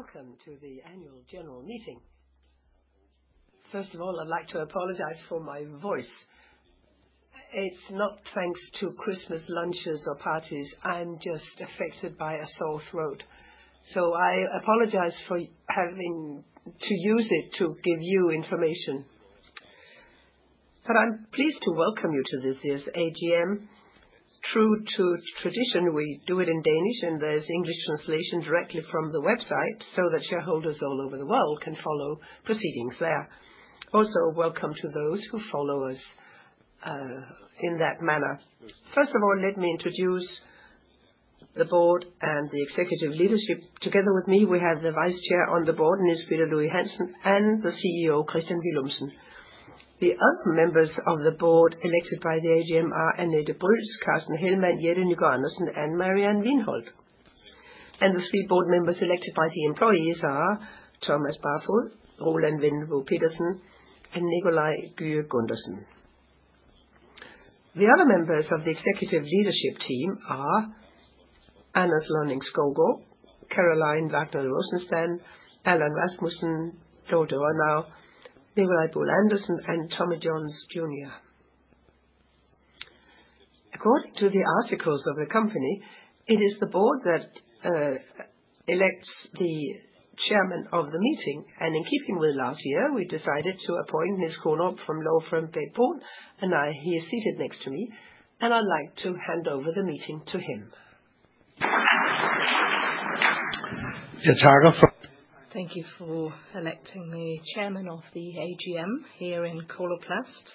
Welcome to the annual general meeting. First of all, I'd like to apologize for my voice. It's not thanks to Christmas lunches or parties. I'm just affected by a sore throat, so I apologize for having to use it to give you information. I'm pleased to welcome you to this year's AGM. True to tradition, we do it in Danish, and there's English translation directly from the website so that shareholders all over the world can follow proceedings there. Also, welcome to those who follow us in that manner. First of all, let me introduce the board and the executive leadership. Together with me, we have the Vice Chair on the board, Niels Peter Louis-Hansen, and the CEO, Kristian Villumsen. The other members of the board elected by the AGM are Annette Brüls, Carsten Hellmann, Jette Nygaard-Andersen, and Marianne Wiinholt. The three board members elected by the employees are Thomas Barfod, Roland Vendelbo Pedersen, and Nikolaj Kyhe Gundersen. The other members of the executive leadership team are Anders Lønning-Skovgaard, Caroline Vagner Rosenstand, Allan Rasmussen, Torsten Durhuus, Nicolai Buhl Andersen, and Tommy Johns Jr. It is the board that elects the chairman of the meeting, and in keeping with last year, we decided to appoint Niels Korner from Law Firm Bech-Bruun, and now he is seated next to me, and I'd like to hand over the meeting to him. Thank you for electing me chairman of the AGM here in Coloplast.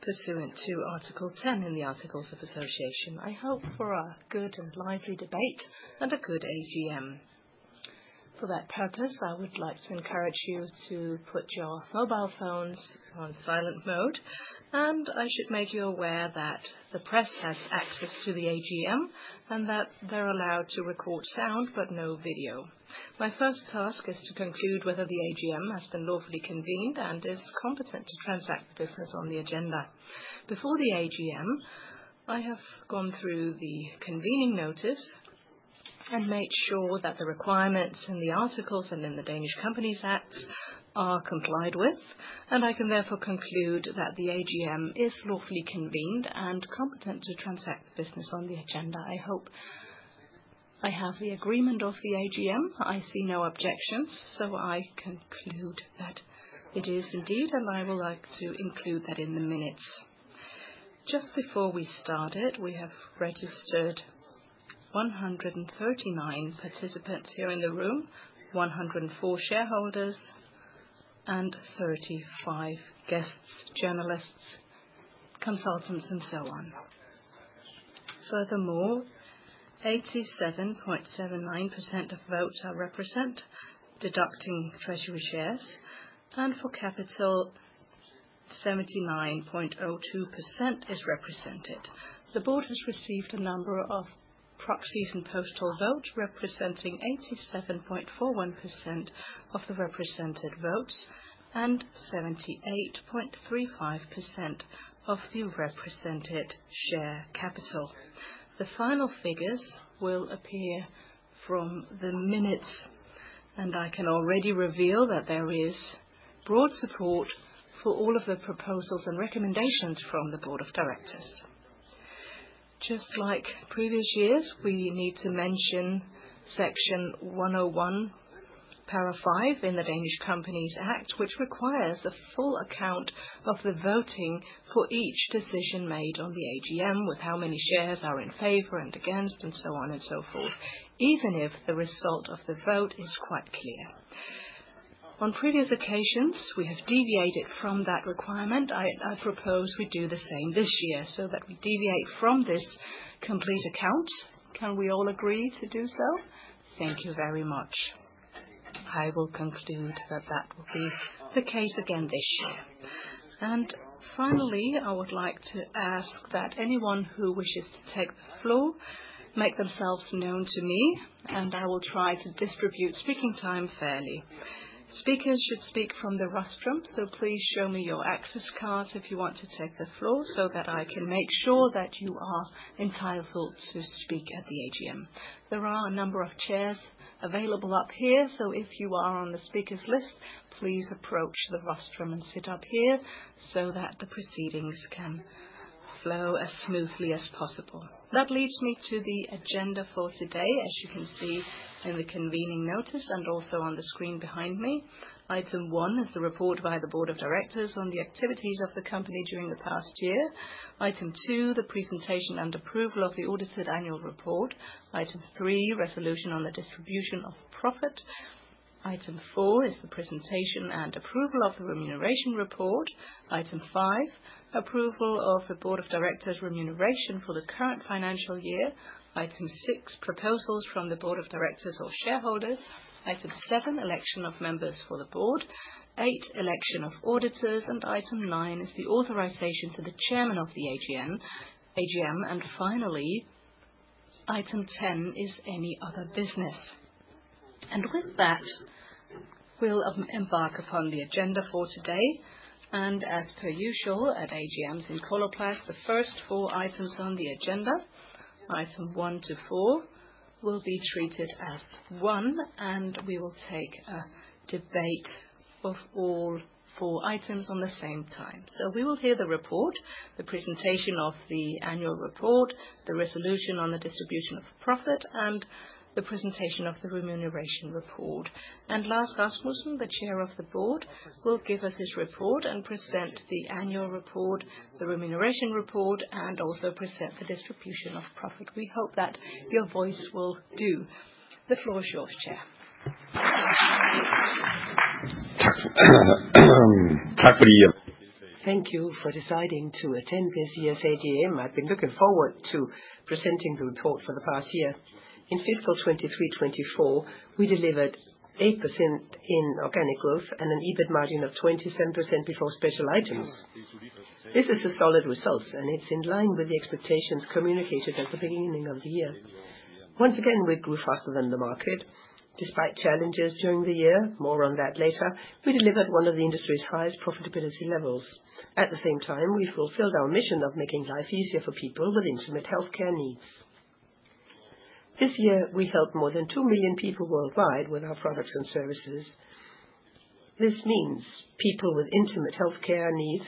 Pursuant to Article 10 in the Articles of Association, I hope for a good and lively debate and a good AGM. For that purpose, I would like to encourage you to put your mobile phones on silent mode, and I should make you aware that the press has access to the AGM and that they're allowed to record sound, but no video. My first task is to conclude whether the AGM has been lawfully convened and is competent to transact business on the agenda. Before the AGM, I have gone through the convening notice and made sure that the requirements in the articles and in the Danish Companies Act are complied with, and I can therefore conclude that the AGM is lawfully convened and competent to transact the business on the agenda. I hope I have the agreement of the AGM. I see no objections. I conclude that it is indeed, and I would like to include that in the minutes. Just before we started, we have registered 139 participants here in the room, 104 shareholders, and 35 guests, journalists, consultants, and so on. Furthermore, 87.79% of votes are represent, deducting treasury shares. For capital, 79.02% is represented. The board has received a number of proxies and postal votes, representing 87.41% of the represented votes and 78.35% of the represented share capital. The final figures will appear from the minutes. I can already reveal that there is broad support for all of the proposals and recommendations from the board of directors. Just like previous years, we need to mention Section 101, para 5 in the Danish Companies Act, which requires a full account of the voting for each decision made on the AGM, with how many shares are in favor and against, and so on and so forth, even if the result of the vote is quite clear. On previous occasions, we have deviated from that requirement. I propose we do the same this year, so that we deviate from this complete account. Can we all agree to do so? Thank you very much. I will conclude that that will be the case again this year. Finally, I would like to ask that anyone who wishes to take the floor make themselves known to me, and I will try to distribute speaking time fairly. Speakers should speak from the rostrum, so please show me your access card if you want to take the floor, so that I can make sure that you are entitled to speak at the AGM. There are a number of chairs available up here, so if you are on the speakers list, please approach the rostrum and sit up here so that the proceedings can flow as smoothly as possible. That leads me to the agenda for today. As you can see in the convening notice and also on the screen behind me, item one is the report by the board of directors on the activities of the company during the past year. Item two, the presentation and approval of the audited annual report. Item three, resolution on the distribution of profit. Item four is the presentation and approval of the remuneration report. Item 5, approval of the Board of Directors' remuneration for the current financial year. Item 6, proposals from the Board of Directors or shareholders. Item 7, election of members for the Board. 8, election of auditors. Item 9 is the authorization to the Chairman of the AGM. AGM, and finally, Item 10 is any other business. We'll embark upon the agenda for today, and as per usual, at AGMs in Coloplast, the first four items on the agenda, Item 1 to 4, will be treated as one, and we will take a debate of all four items on the same time. We will hear the report, the presentation of the annual report, the resolution on the distribution of profit, and the presentation of the remuneration report. Lars Rasmussen, the chair of the board, will give us his report and present the annual report, the remuneration report, and also present the distribution of profit. We hope that your voice will do. The floor is yours, Chair. Thank you for deciding to attend this year's AGM. I've been looking forward to presenting the report for the past year. In fiscal 2023, 2024, we delivered 8% in organic growth and an EBIT margin of 27% before special items. This is a solid result. It's in line with the expectations communicated at the beginning of the year. Once again, we grew faster than the market. Despite challenges during the year, more on that later, we delivered one of the industry's highest profitability levels. At the same time, we fulfilled our mission of making life easier for people with intimate healthcare needs. This year, we helped more than 2 million people worldwide with our products and services. This means people with intimate healthcare needs,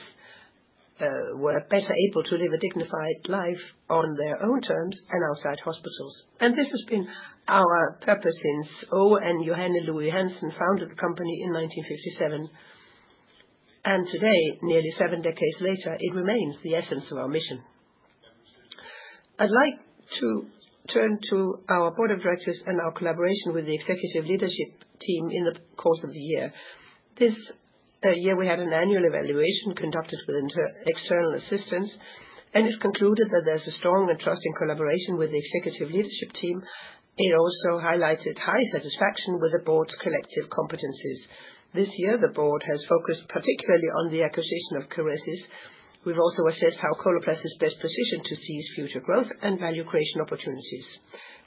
were better able to live a dignified life on their own terms and outside hospitals. This has been our purpose since Aage and Johanne Louis-Hansen founded the company in 1957, and today, nearly seven decades later, it remains the essence of our mission. I'd like to turn to our board of directors and our collaboration with the executive leadership team in the course of the year. This year, we had an annual evaluation conducted with inter-external assistance, and it's concluded that there's a strong and trusting collaboration with the executive leadership team. It also highlighted high satisfaction with the board's collective competencies. This year, the board has focused particularly on the acquisition of Kerecis. We've also assessed how Coloplast is best positioned to seize future growth and value creation opportunities.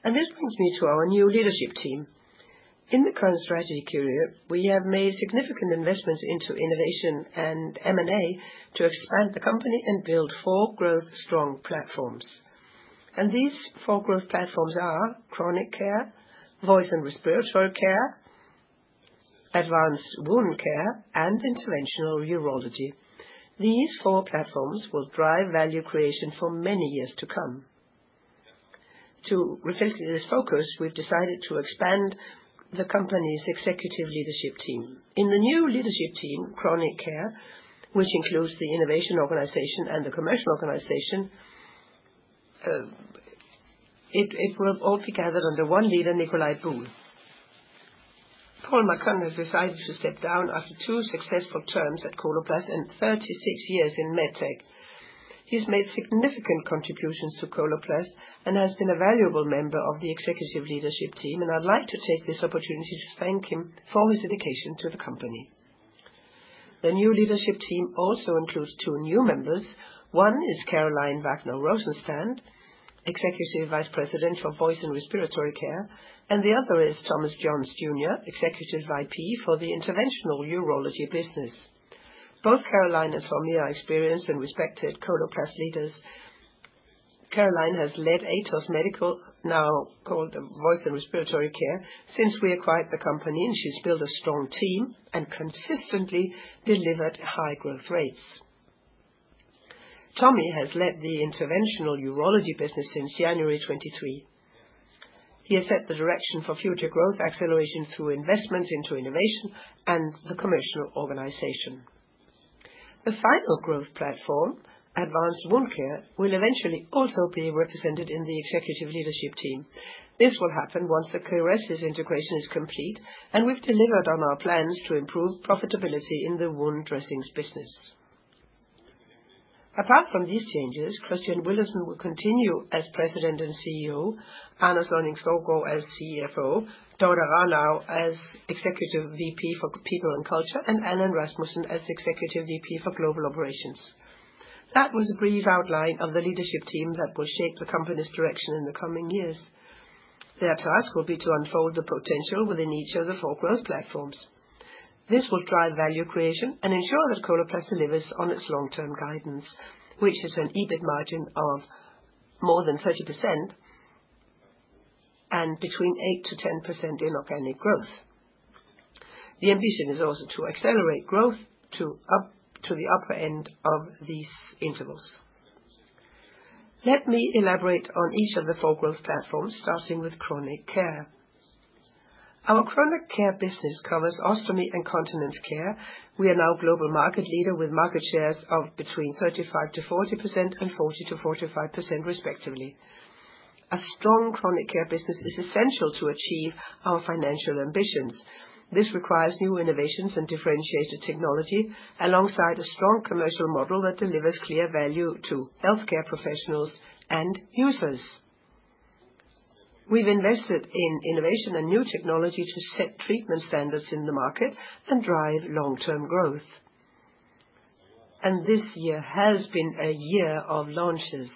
This brings me to our new leadership team. In the current strategy period, we have made significant investments into innovation and M&A to expand the company and build four growth strong platforms. These four growth platforms are chronic care, voice and respiratory care, advanced wound care, and interventional urology. These four platforms will drive value creation for many years to come. To reflect this focus, we've decided to expand the company's executive leadership team. In the new leadership team, chronic care, which includes the innovation organization and the commercial organization, it will all be gathered under one leader, Nikolaj Buhl. Paul Marcun has decided to step down after two successful terms at Coloplast and 36 years in MedTech. He's made significant contributions to Coloplast and has been a valuable member of the executive leadership team. I'd like to take this opportunity to thank him for his dedication to the company. The new leadership team also includes two new members. One is Caroline Vagner Rosenstand, Executive Vice President for Voice and Respiratory Care, and the other is Thomas Johns Jr, Executive VP for the Interventional Urology business. Both Caroline and Tommy are experienced and respected Coloplast leaders. Caroline has led Atos Medical, now called the Voice and Respiratory Care, since we acquired the company, and she's built a strong team and consistently delivered high growth rates. Tommy has led the Interventional Urology business since January 2023. He has set the direction for future growth acceleration through investment into innovation and the commercial organization. The final growth platform, advanced wound care, will eventually also be represented in the executive leadership team. This will happen once the Kerecis integration is complete, and we've delivered on our plans to improve profitability in the wound dressings business. Apart from these changes, Kristian Villumsen will continue as President and CEO, Anders Lonning-Skovgaard as CFO, Dorthe Rønnau as Executive VP for People and Culture, and Allan Rasmussen as Executive VP for Global Operations. That was a brief outline of the leadership team that will shape the company's direction in the coming years. Their task will be to unfold the potential within each of the four growth platforms. This will drive value creation and ensure that Coloplast delivers on its long-term guidance, which is an EBIT margin of more than 30% and between 8%-10% inorganic growth. The ambition is also to accelerate growth to the upper end of these intervals. Let me elaborate on each of the four growth platforms, starting with Chronic Care. Our Chronic Care business covers ostomy and continence care. We are now global market leader with market shares of between 35%-40% and 40%-45%, respectively. A strong chronic care business is essential to achieve our financial ambitions. This requires new innovations and differentiated technology, alongside a strong commercial model that delivers clear value to healthcare professionals and users. We've invested in innovation and new technology to set treatment standards in the market and drive long-term growth. This year has been a year of launches.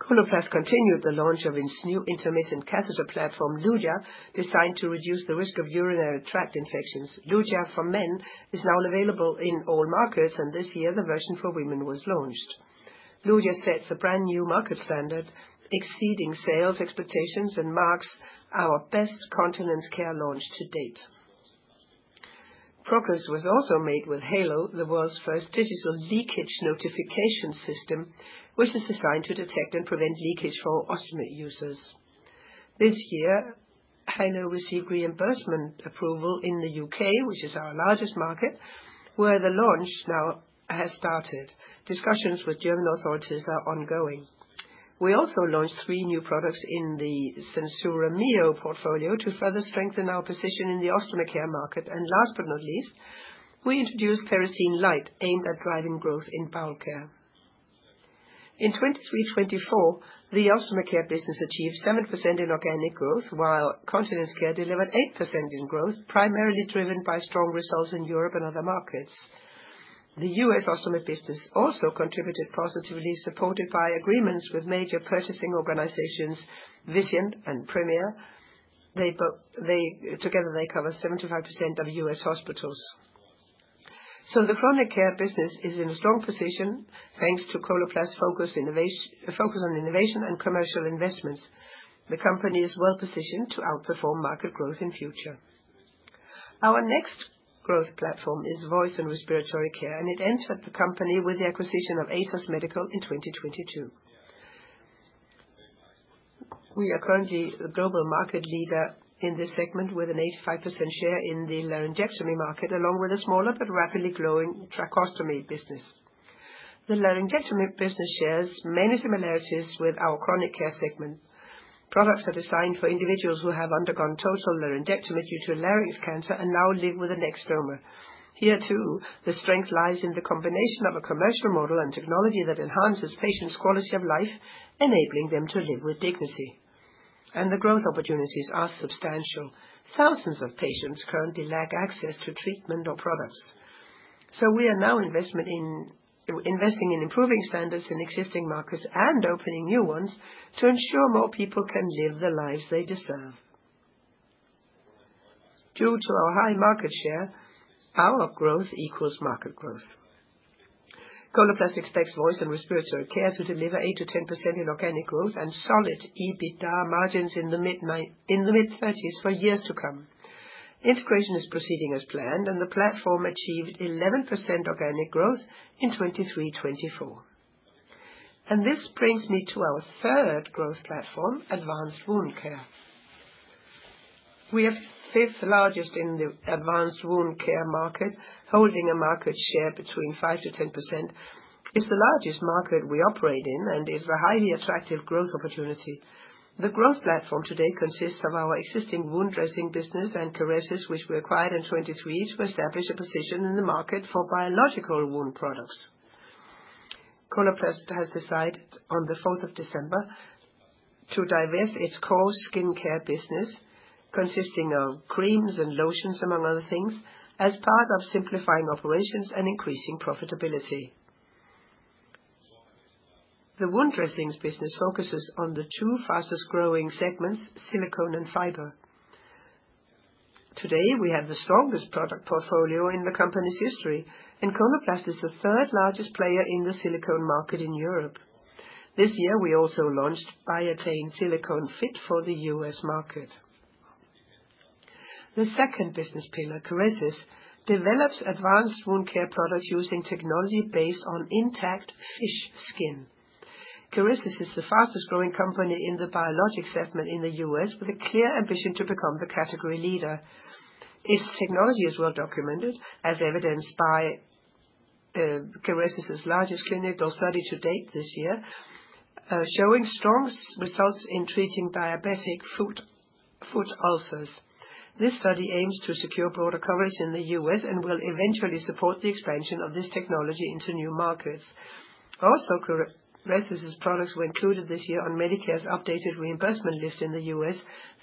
Coloplast continued the launch of its new intermittent catheter platform, Luja, designed to reduce the risk of urinary tract infections. Luja for men is now available in all markets, and this year, the version for women was launched. Luja sets a brand new market standard, exceeding sales expectations, and marks our best continence care launch to date. Progress was also made with Heylo, the world's first digital leakage notification system, which is designed to detect and prevent leakage for ostomy users. This year, Heylo received reimbursement approval in the U.K., which is our largest market, where the launch now has started. Discussions with German authorities are ongoing. We also launched three new products in the SenSura Mio portfolio to further strengthen our position in the ostomy care market. Last but not least, we introduced Peristeen Light, aimed at driving growth in bowel care. In 2023, 2024, the ostomy care business achieved 7% in organic growth, while continence care delivered 8% in growth, primarily driven by strong results in Europe and other markets. The U.S. ostomy business also contributed positively, supported by agreements with major purchasing organizations, Vizient and Premier. Together, they cover 75% of U.S. hospitals. The chronic care business is in a strong position, thanks to Coloplast's focus on innovation and commercial investments. The company is well positioned to outperform market growth in future. Our next growth platform is voice and respiratory care, and it entered the company with the acquisition of Atos Medical in 2022. We are currently the global market leader in this segment, with an 85% share in the laryngectomy market, along with a smaller but rapidly growing tracheostomy business. The laryngectomy business shares many similarities with our chronic care segment. Products are designed for individuals who have undergone total laryngectomy due to larynx cancer and now live with a neck stoma. Here, too, the strength lies in the combination of a commercial model and technology that enhances patients' quality of life, enabling them to live with dignity. The growth opportunities are substantial. Thousands of patients currently lack access to treatment or products. We are now investing in improving standards in existing markets and opening new ones to ensure more people can live the lives they deserve. Due to our high market share, our growth equals market growth. Coloplast expects voice and respiratory care to deliver 8%-10% in organic growth and solid EBITDA margins in the mid-thirties for years to come. Integration is proceeding as planned, the platform achieved 11% organic growth in 2023-2024. This brings me to our third growth platform, advanced wound care. We are fifth largest in the advanced wound care market, holding a market share between 5%-10%. It's the largest market we operate in and is a highly attractive growth opportunity. The growth platform today consists of our existing wound dressing business and Kerecis, which we acquired in 2023, to establish a position in the market for biological wound products. Coloplast has decided on the fourth of December to divest its core skin care business, consisting of creams and lotions, among other things, as part of simplifying operations and increasing profitability. The wound dressings business focuses on the two fastest growing segments: silicone and fiber. Today, we have the strongest product portfolio in the company's history, and Coloplast is the third largest player in the silicone market in Europe. This year, we also launched Biatain Silicone Fit for the U.S. market. The second business pillar, Kerecis, develops advanced wound care products using technology based on intact fish skin. Kerecis is the fastest growing company in the biologics segment in the U.S., with a clear ambition to become the category leader. Its technology is well documented, as evidenced by Kerecis' largest clinical study to date this year, showing strong results in treating diabetic foot ulcers. This study aims to secure broader coverage in the U.S. and will eventually support the expansion of this technology into new markets. Kerecis' products were included this year on Medicare's updated reimbursement list in the U.S.,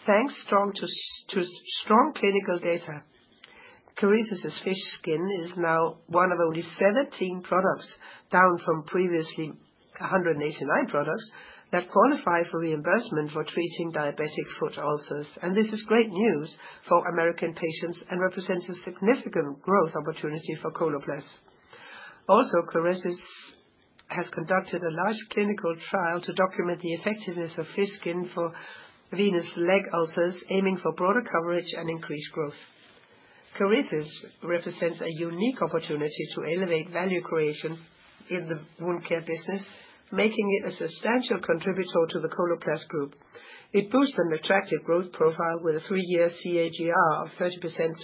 thanks strong to strong clinical data. Kerecis' fish skin is now one of only 17 products, down from previously 189 products, that qualify for reimbursement for treating diabetic foot ulcers. This is great news for American patients and represents a significant growth opportunity for Coloplast. Kerecis has conducted a large clinical trial to document the effectiveness of fish skin for venous leg ulcers, aiming for broader coverage and increased growth. Kerecis represents a unique opportunity to elevate value creation in the wound care business, making it a substantial contributor to the Coloplast group. It boosts an attractive growth profile with a three-year CAGR of 30%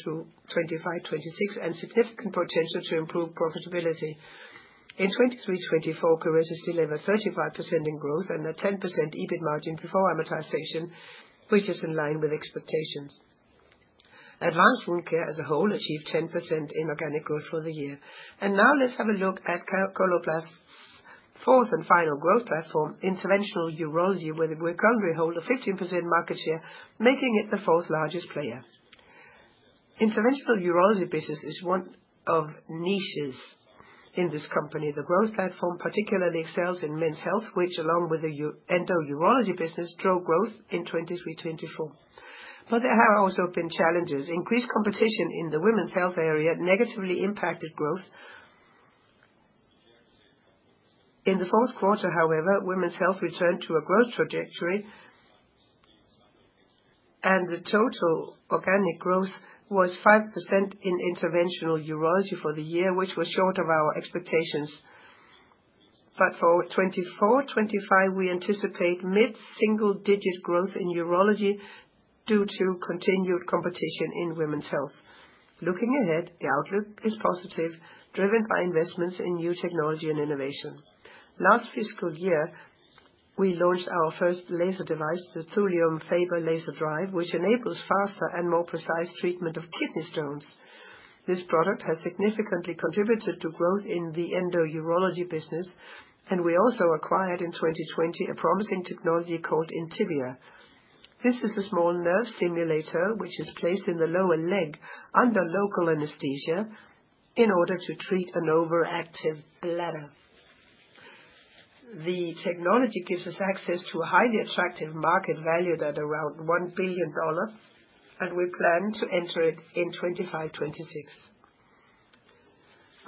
through 2025-2026, and significant potential to improve profitability. In 2023-2024, Kerecis delivered 35% in growth and a 10% EBIT margin before amortization, which is in line with expectations. Now let's have a look at Coloplast's fourth and final growth platform, interventional urology, where we currently hold a 15% market share, making it the fourth largest player.... Interventional Urology business is one of niches in this company. The growth platform particularly excels in men's health, which along with the endourology business, drove growth in 2023, 2024. There have also been challenges. Increased competition in the women's health area negatively impacted growth. In the fourth quarter, however, women's health returned to a growth trajectory, and the total organic growth was 5% in Interventional Urology for the year, which was short of our expectations. For 2024, 2025, we anticipate mid-single digit growth in urology due to continued competition in women's health. Looking ahead, the outlook is positive, driven by investments in new technology and innovation. Last fiscal year, we launched our first laser device, the Thulium Fiber Laser Drive, which enables faster and more precise treatment of kidney stones. This product has significantly contributed to growth in the endourology business, and we also acquired in 2020, a promising technology called Intivia. This is a small nerve simulator which is placed in the lower leg under local anesthesia in order to treat an overactive bladder. The technology gives us access to a highly attractive market valued at around $1 billion, and we plan to enter it in 2025, 2026.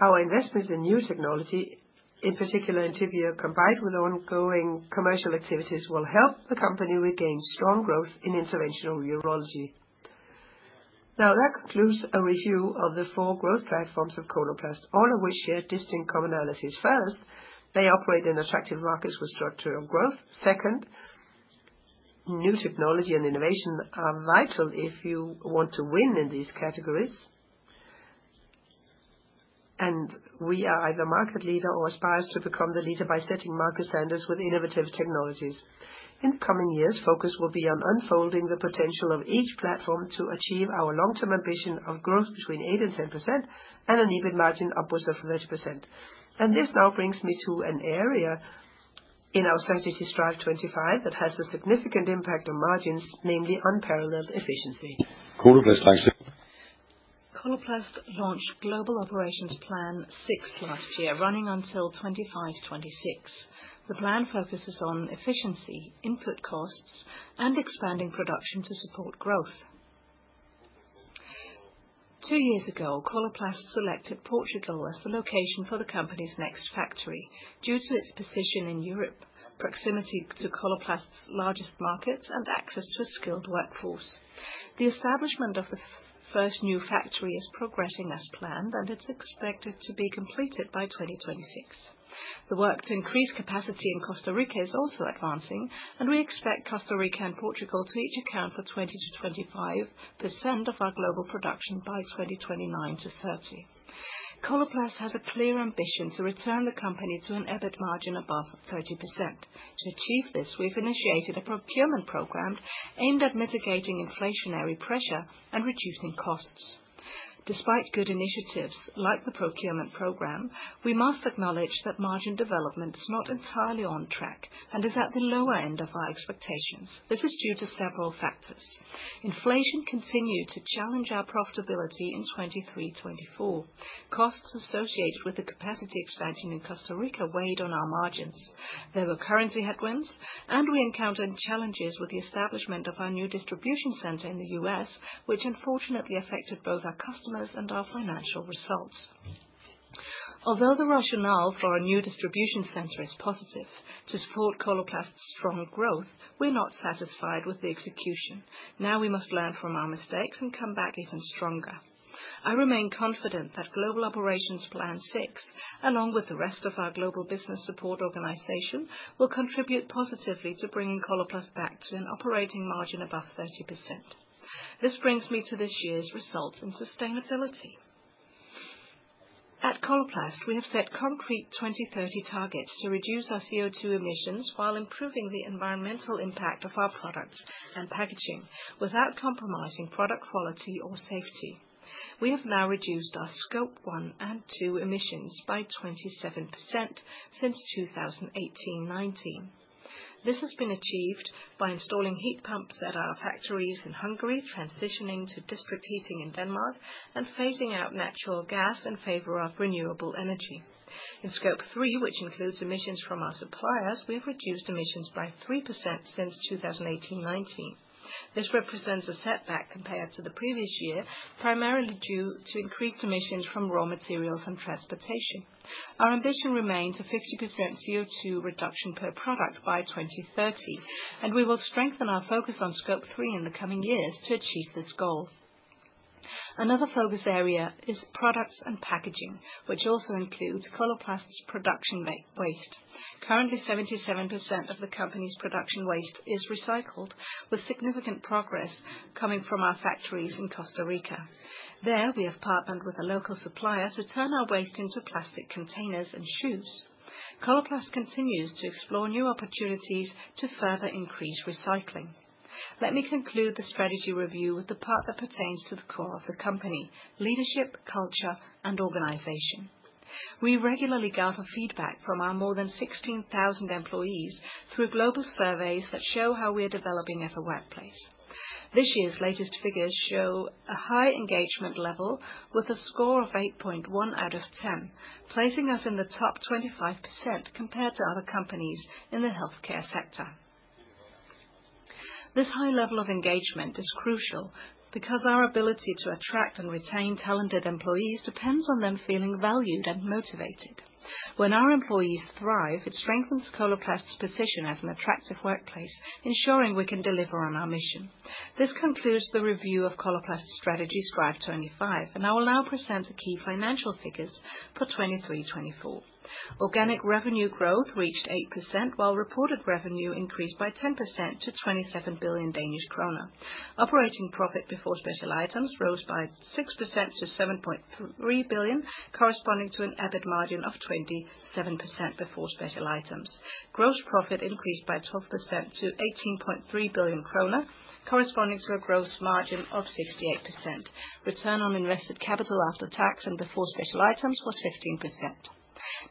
Our investments in new technology, in particular, Intivia, combined with ongoing commercial activities, will help the company regain strong growth in interventional urology. Now, that concludes a review of the four growth platforms of Coloplast, all of which share distinct commonalities. First, they operate in attractive markets with structural growth. Second, new technology and innovation are vital if you want to win in these categories. We are either market leader or aspires to become the leader by setting market standards with innovative technologies. In coming years, focus will be on unfolding the potential of each platform to achieve our long-term ambition of growth between 8% and 10% and an EBIT margin upwards of 30%. This now brings me to an area in our strategy Strive25, that has a significant impact on margins, namely unparalleled efficiency. Coloplast thanks. Coloplast launched Global Operations Plan 6 last year, running until 2025/2026. The plan focuses on efficiency, input costs, and expanding production to support growth. Two years ago, Coloplast selected Portugal as the location for the company's next factory due to its position in Europe, proximity to Coloplast's largest markets, and access to a skilled workforce. The establishment of the first new factory is progressing as planned. It's expected to be completed by 2026. The work to increase capacity in Costa Rica is also advancing. We expect Costa Rica and Portugal to each account for 20%-25% of our global production by 2029-2030. Coloplast has a clear ambition to return the company to an EBIT margin above 30%. To achieve this, we've initiated a procurement program aimed at mitigating inflationary pressure and reducing costs. Despite good initiatives like the procurement program, we must acknowledge that margin development is not entirely on track. It is at the lower end of our expectations. This is due to several factors. Inflation continued to challenge our profitability in 2023-2024. Costs associated with the capacity expansion in Costa Rica weighed on our margins. There were currency headwinds, and we encountered challenges with the establishment of our new distribution center in the U.S., which unfortunately affected both our customers and our financial results. Although the rationale for our new distribution center is positive to support Coloplast's strong growth, we're not satisfied with the execution. Now we must learn from our mistakes and come back even stronger. I remain confident that Global Operations Plan 6, along with the rest of our global business support organization, will contribute positively to bringing Coloplast back to an operating margin above 30%. This brings me to this year's results and sustainability. At Coloplast, we have set concrete 2030 targets to reduce our CO2 emissions while improving the environmental impact of our products and packaging without compromising product quality or safety. We have now reduced our Scope 1 and 2 emissions by 27% since 2018/19. This has been achieved by installing heat pumps at our factories in Hungary, transitioning to district heating in Denmark, and phasing out natural gas in favor of renewable energy. In Scope 3, which includes emissions from our suppliers, we've reduced emissions by 3% since 2018/19. This represents a setback compared to the previous year, primarily due to increased emissions from raw materials and transportation. Our ambition remains a 50% CO2 reduction per product by 2030. We will strengthen our focus on Scope 3 in the coming years to achieve this goal. Another focus area is products and packaging, which also includes Coloplast's production waste. Currently, 77% of the company's production waste is recycled, with significant progress coming from our factories in Costa Rica. There, we have partnered with a local supplier to turn our waste into plastic containers and shoes. Coloplast continues to explore new opportunities to further increase recycling. Let me conclude the strategy review with the part that pertains to the core of the company: leadership, culture, and organization. We regularly gather feedback from our more than 16,000 employees through global surveys that show how we are developing as a workplace. This year's latest figures show a high engagement level with a score of 8.1 out of 10, placing us in the top 25% compared to other companies in the healthcare sector. This high level of engagement is crucial because our ability to attract and retain talented employees depends on them feeling valued and motivated. When our employees thrive, it strengthens Coloplast's position as an attractive workplace, ensuring we can deliver on our mission. This concludes the review of Coloplast's strategy, Strive25. I will now present the key financial figures for 2023, 2024. Organic revenue growth reached 8%, while reported revenue increased by 10% to 27 billion Danish krone. Operating profit before special items rose by 6% to 7.3 billion, corresponding to an EBIT margin of 27% before special items. Gross profit increased by 12% to 18.3 billion kroner, corresponding to a gross margin of 68%. Return on invested capital after tax and before special items was 15%.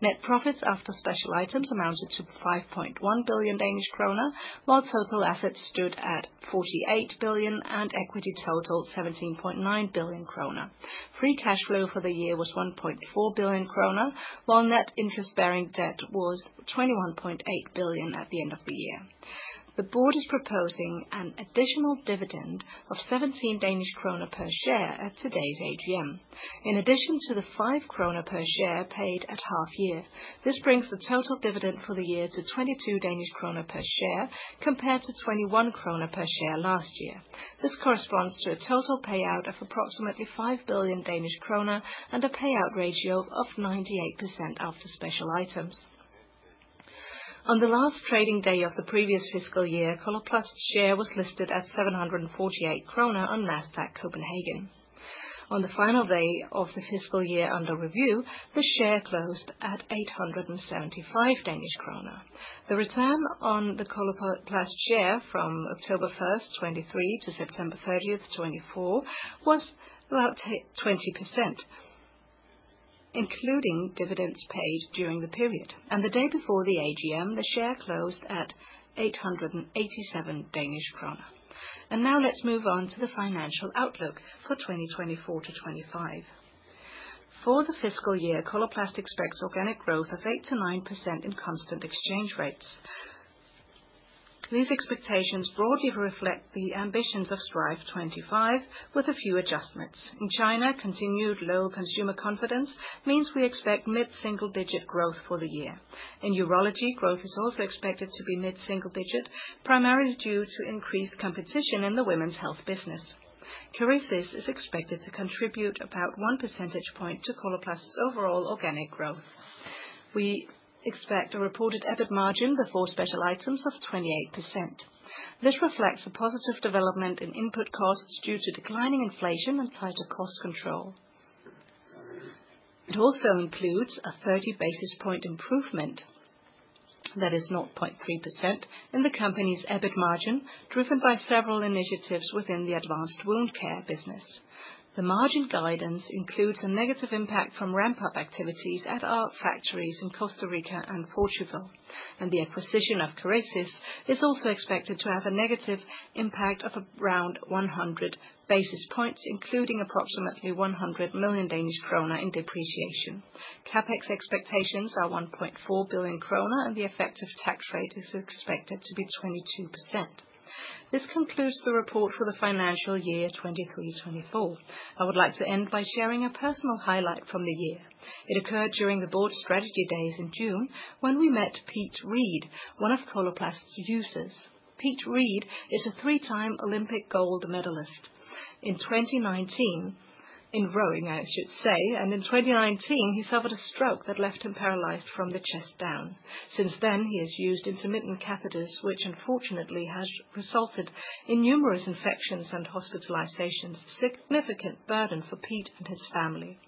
Net profits after special items amounted to 5.1 billion Danish kroner, while total assets stood at 48 billion and equity totaled 17.9 billion kroner. Free cash flow for the year was 1.4 billion kroner, while net interest-bearing debt was 21.8 billion at the end of the year. The board is proposing an additional dividend of 17 Danish kroner per share at today's AGM. In addition to the 5 kroner per share paid at half year, this brings the total dividend for the year to 22 Danish kroner per share, compared to 21 kroner per share last year. This corresponds to a total payout of approximately 5 billion Danish kroner and a payout ratio of 98% after special items. On the last trading day of the previous fiscal year, Coloplast's share was listed at 748 kroner on Nasdaq Copenhagen. On the final day of the fiscal year under review, the share closed at 875 Danish kroner. The return on the Coloplast share from October 1st, 2023 to September 30th, 2024 was about 20%, including dividends paid during the period. The day before the AGM, the share closed at 887 Danish kroner. Now let's move on to the financial outlook for 2024-2025. For the fiscal year, Coloplast expects organic growth of 8%-9% in constant exchange rates. These expectations broadly reflect the ambitions of Strive25, with a few adjustments. In China, continued low consumer confidence means we expect mid-single-digit growth for the year. In urology, growth is also expected to be mid-single digit, primarily due to increased competition in the women's health business. Kerecis is expected to contribute about one percentage point to Coloplast's overall organic growth. We expect a reported EBIT margin before special items of 28%. This reflects a positive development in input costs due to declining inflation and tighter cost control. It also includes a 30 basis point improvement, that is 0.3%, in the company's EBIT margin, driven by several initiatives within the advanced wound care business. The margin guidance includes a negative impact from ramp-up activities at our factories in Costa Rica and Portugal, and the acquisition of Kerecis is also expected to have a negative impact of around 100 basis points, including approximately 100 million Danish kroner in depreciation. CapEx expectations are 1.4 billion kroner, and the effective tax rate is expected to be 22%. This concludes the report for the financial year 2023, 2024. I would like to end by sharing a personal highlight from the year. It occurred during the board strategy days in June, when we met Pete Reed, one of Coloplast's users. Pete Reed is a three-time Olympic gold medalist. In rowing, I should say, in 2019, he suffered a stroke that left him paralyzed from the chest down. Since then, he has used intermittent catheters, which unfortunately has resulted in numerous infections and hospitalizations. Significant burden for Pete and his family.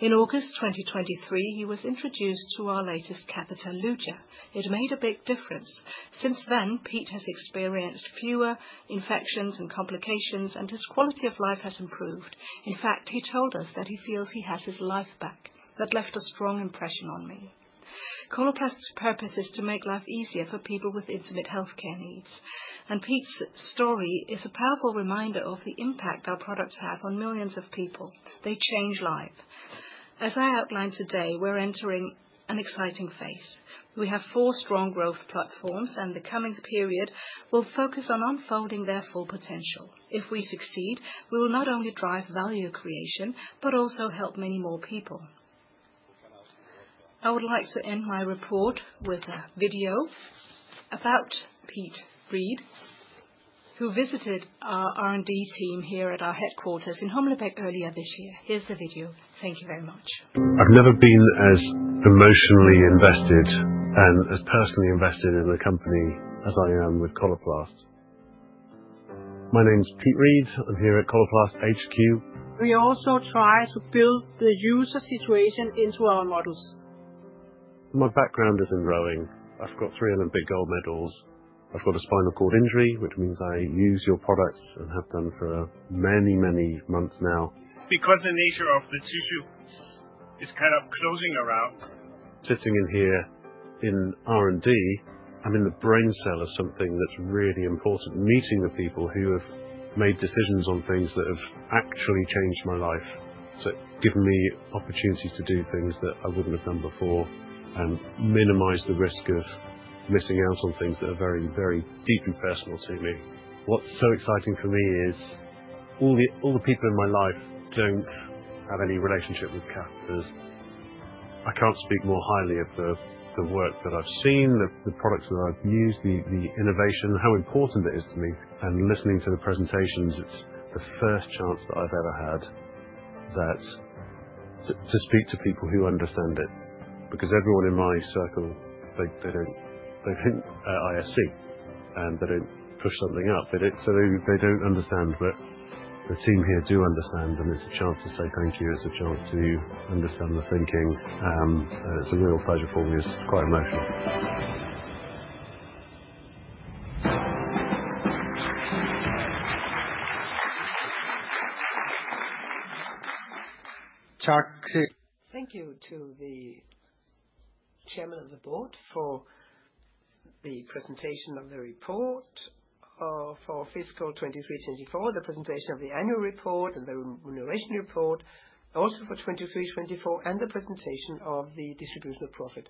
In August 2023, he was introduced to our latest catheter, Luja. It made a big difference. Since then, Pete has experienced fewer infections and complications, and his quality of life has improved. In fact, he told us that he feels he has his life back. That left a strong impression on me. Coloplast's purpose is to make life easier for people with intimate healthcare needs, and Pete's story is a powerful reminder of the impact our products have on millions of people. They change lives. As I outlined today, we're entering an exciting phase. We have four strong growth platforms, and the coming period will focus on unfolding their full potential. If we succeed, we will not only drive value creation, but also help many more people. I would like to end my report with a video about Pete Reed, who visited our R&D team here at our headquarters in Humlebæk earlier this year. Here's the video. Thank you very much. I've never been as emotionally invested and as personally invested in a company as I am with Coloplast. My name is Pete Reed. I'm here at Coloplast HQ. We also try to build the user situation into our models. My background is in rowing. I've got three Olympic gold medals. I've got a spinal cord injury, which means I use your products and have done for many months now. Because the nature of the tissue is kind of closing around. Sitting in here in R&D, I'm in the brain cell of something that's really important, meeting the people who have made decisions on things that have actually changed my life. Given me opportunities to do things that I wouldn't have done before and minimize the risk of missing out on things that are very, very deeply personal to me. What's so exciting for me is all the people in my life don't have any relationship with catheters. I can't speak more highly of the work that I've seen, the products that I've used, the innovation, how important it is to me. Listening to the presentations, it's the first chance that I've ever had to speak to people who understand it, because everyone in my circle, they don't. They hint at ISC, they don't push something up. They don't understand. The team here do understand, it's a chance to say thank you. It's a chance to understand the thinking, it's a real pleasure for me. It's quite emotional. Tak. Thank you to the Chairman of the Board for the presentation of the report for fiscal 2023, 2024, the presentation of the Annual Report and the Remuneration Report also for 2023, 2024, and the presentation of the distribution of profit.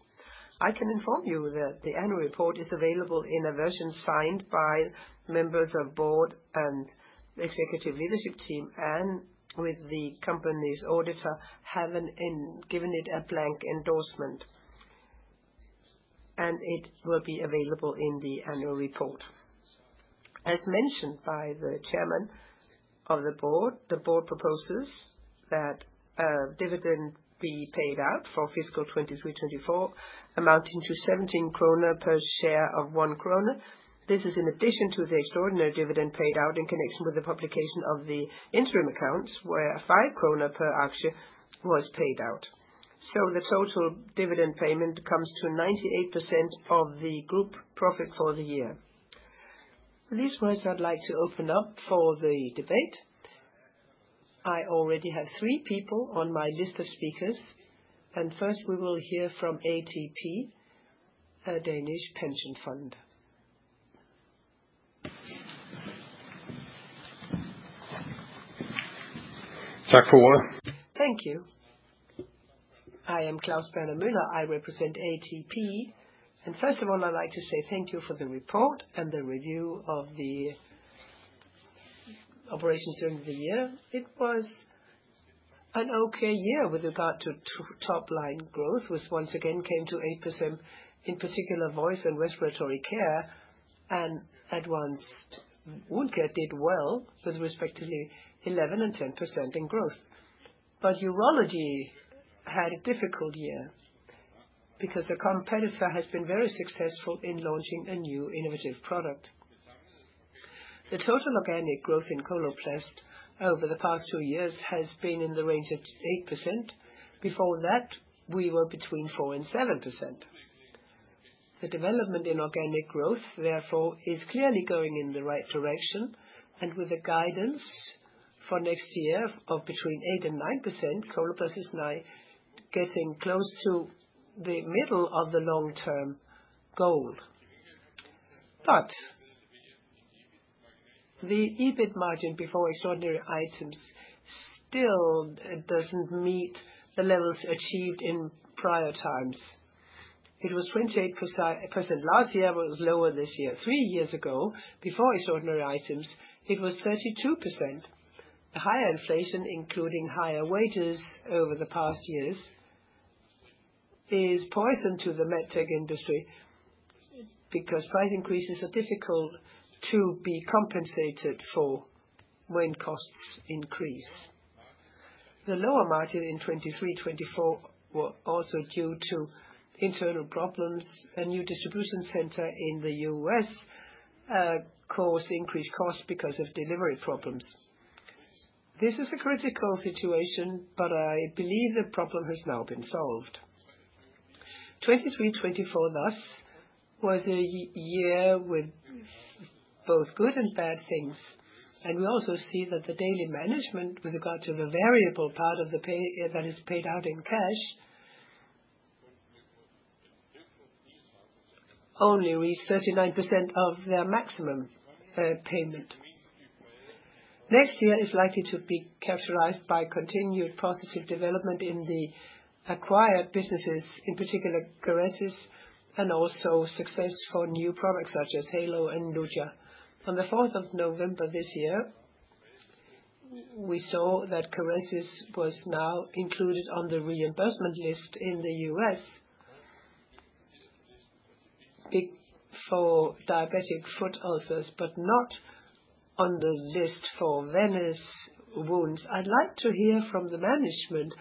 I can inform you that the Annual Report is available in a version signed by members of the Board and the Executive Leadership Team, with the company's auditor, having given it a blank endorsement. It will be available in the Annual Report. As mentioned by the Chairman of the Board, the Board proposes that a dividend be paid out for fiscal 2023, 2024, amounting to 17 kroner per share of 1 kroner. This is in addition to the extraordinary dividend paid out in connection with the publication of the interim accounts, where 5 kroner per action was paid out. The total dividend payment comes to 98% of the group profit for the year. With these words, I'd like to open up for the debate. I already have 3 people on my list of speakers. First, we will hear from ATP, a Danish pension fund. Thank you. I am Claus Wiinblad. I represent ATP. First of all, I'd like to say thank you for the report and the review of the operations during the year. It was an okay year with regard to top line growth, which once again came to 8%. In particular, voice and respiratory care and advanced wound care did well with respectively 11% and 10% in growth. Urology had a difficult year because the competitor has been very successful in launching a new innovative product. The total organic growth in Coloplast over the past two years has been in the range of 8%. Before that, we were between 4% and 7%. The development in organic growth, therefore, is clearly going in the right direction, with the guidance for next year of between 8% and 9%, Coloplast is now getting close to the middle of the long-term goal. The EBIT margin before extraordinary items still doesn't meet the levels achieved in prior times. It was 28% last year, it was lower this year. Three years ago, before extraordinary items, it was 32%. The higher inflation, including higher wages over the past years, is poison to the medtech industry because price increases are difficult to be compensated for when costs increase. The lower margin in 2023, 2024 were also due to internal problems. A new distribution center in the U.S. caused increased costs because of delivery problems. This is a critical situation. I believe the problem has now been solved. 2023, 2024, thus, was a year with both good and bad things. We also see that the daily management, with regard to the variable part of the pay that is paid out in cash, only reached 39% of their maximum payment. Next year is likely to be characterized by continued positive development in the acquired businesses, in particular, Kerecis, and also success for new products such as Heylo and Luja. On the 4th of November this year, we saw that Kerecis was now included on the reimbursement list in the U.S., big for diabetic foot ulcers, but not on the list for venous wounds. I'd like to hear from the management: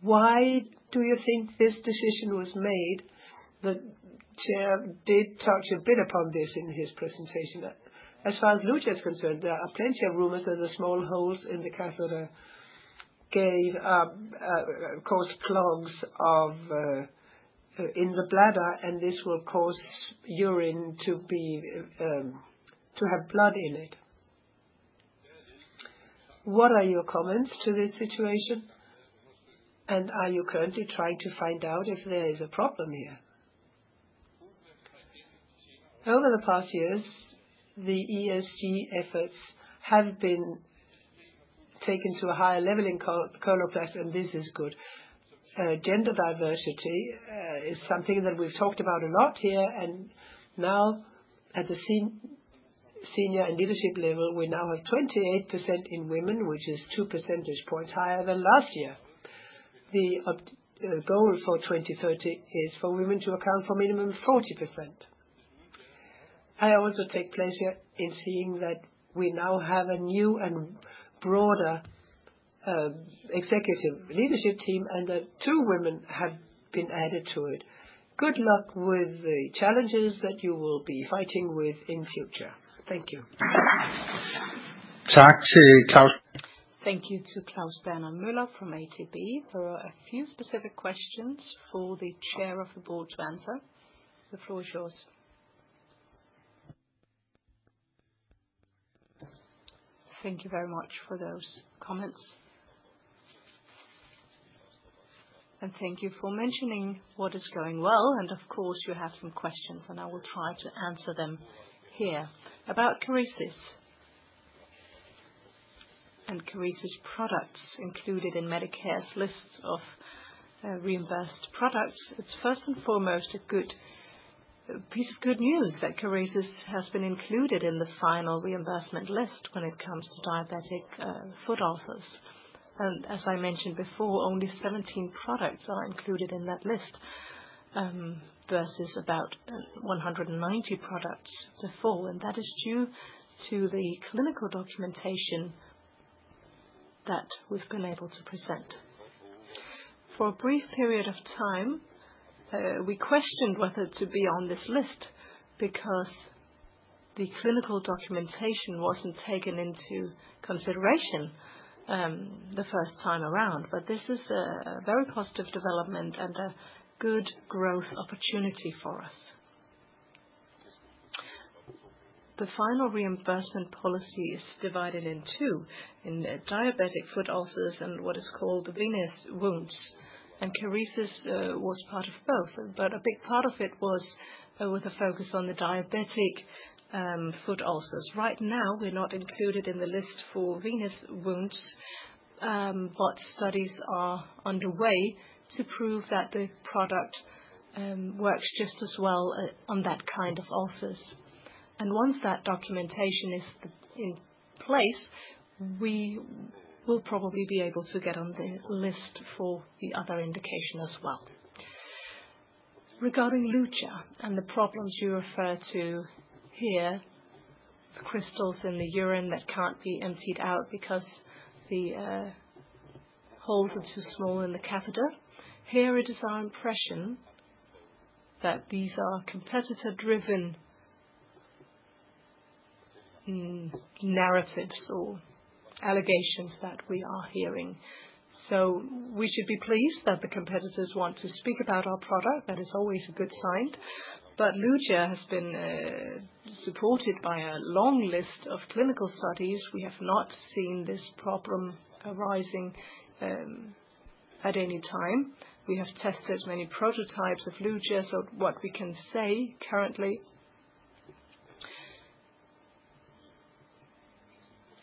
Why do you think this decision was made? The chair did touch a bit upon this in his presentation. As far as Luja is concerned, there are plenty of rumors that the small holes in the catheter cause clogs in the bladder, and this will cause urine to be to have blood in it. What are your comments to this situation? Are you currently trying to find out if there is a problem here? Over the past years, the ESG efforts have been taken to a higher level in Coloplast, this is good. Gender diversity is something that we've talked about a lot here, now at the senior and leadership level, we now have 28% in women, which is 2 percentage points higher than last year. The goal for 2030 is for women to account for minimum 40%. I also take pleasure in seeing that we now have a new and broader executive leadership team and that 2 women have been added to it. Good luck with the challenges that you will be fighting with in future. Thank you. Thank you to Claus Wiinblad from ATP. There are a few specific questions for the chair of the board to answer. The floor is yours. Thank you very much for those comments. Thank you for mentioning what is going well, and of course, you have some questions, and I will try to answer them here. About Kerecis and Kerecis' products included in Medicare's list of reimbursed products. It's first and foremost a piece of good news that Kerecis has been included in the final reimbursement list when it comes to diabetic foot ulcers. As I mentioned before, only 17 products are included in that list, versus about 190 products before, and that is due to the clinical documentation that we've been able to present. For a brief period of time, we questioned whether to be on this list because the clinical documentation wasn't taken into consideration, the first time around. This is a very positive development and a good growth opportunity for us. The final reimbursement policy is divided in two: in diabetic foot ulcers and what is called venous wounds, and Kerecis was part of both. A big part of it was with a focus on the diabetic foot ulcers. Right now, we're not included in the list for venous wounds, but studies are underway to prove that the product works just as well on that kind of ulcers. Once that documentation is in place, we will probably be able to get on the list for the other indication as well. Regarding Luja and the problems you refer to here, the crystals in the urine that can't be emptied out because the holes are too small in the catheter. Here, it is our impression that these are competitor-driven narratives or allegations that we are hearing. We should be pleased that the competitors want to speak about our product. That is always a good sign. Luja has been supported by a long list of clinical studies. We have not seen this problem arising at any time. We have tested many prototypes of Luja. What we can say currently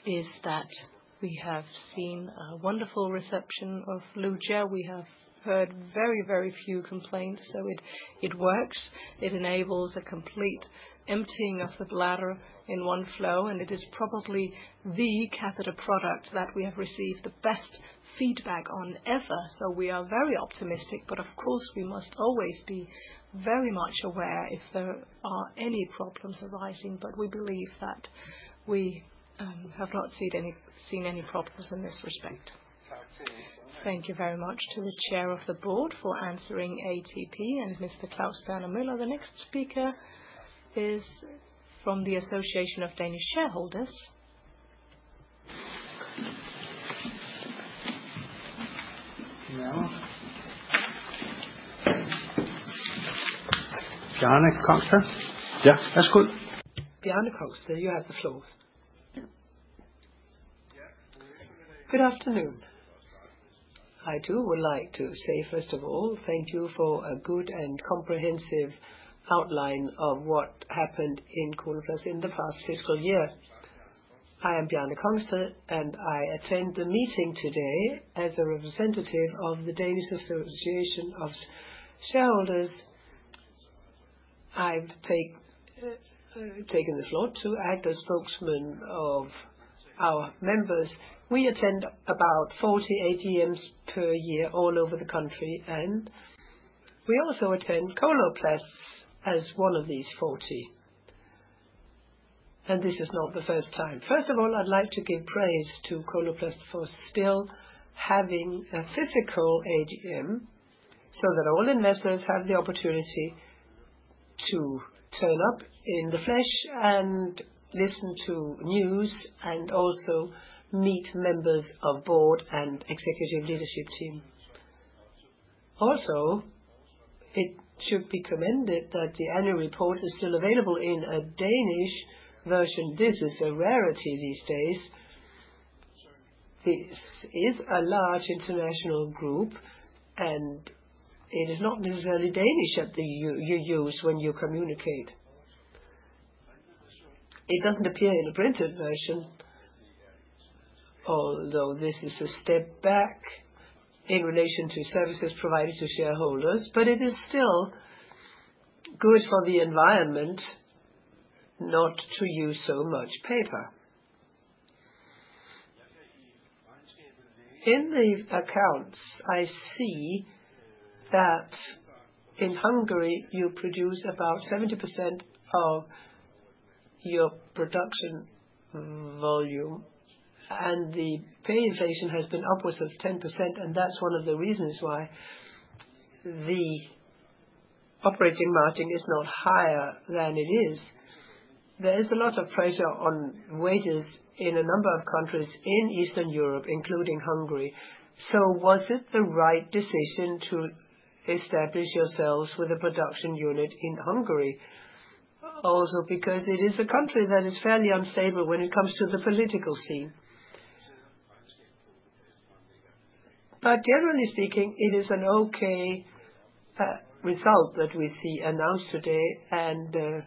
is that we have seen a wonderful reception of Luja. We have heard very, very few complaints. It works. It enables a complete emptying of the bladder in one flow. It is probably the catheter product that we have received the best feedback on ever. We are very optimistic, but of course, we must always be very much aware if there are any problems arising. We believe that we have not seen any problems in this respect. Thank you very much to the Chair of the Board for answering ATP and Mr. Claus Wiinblad. The next speaker is from the Danish Shareholders Association. Bjarne Kongsted? Yeah. Bjarne Kongsted, you have the floor. Good afternoon. I, too, would like to say, first of all, thank you for a good and comprehensive outline of what happened in Coloplast in the past fiscal year. I am Bjarne Kongsted. I attend the meeting today as a representative of the Danish Association of Shareholders. I've taken the floor to act as spokesman of our members. We attend about 40 AGMs per year all over the country. We also attend Coloplast as one of these 40. This is not the first time. First of all, I'd like to give praise to Coloplast for still having a physical AGM, so that all investors have the opportunity to turn up in the flesh and listen to news, and also meet members of Board and Executive Leadership Team. It should be commended that the annual report is still available in a Danish version. This is a rarity these days. This is a large international group, and it is not necessarily Danish that you use when you communicate. It doesn't appear in a printed version, although this is a step back in relation to services provided to shareholders, but it is still good for the environment not to use so much paper. In the accounts, I see that in Hungary, you produce about 70% of your production volume, and the pay inflation has been upwards of 10%, and that's one of the reasons why the operating margin is not higher than it is. There is a lot of pressure on wages in a number of countries in Eastern Europe, including Hungary. Was it the right decision to establish yourselves with a production unit in Hungary? Because it is a country that is fairly unstable when it comes to the political scene. Generally speaking, it is an okay result that we see announced today.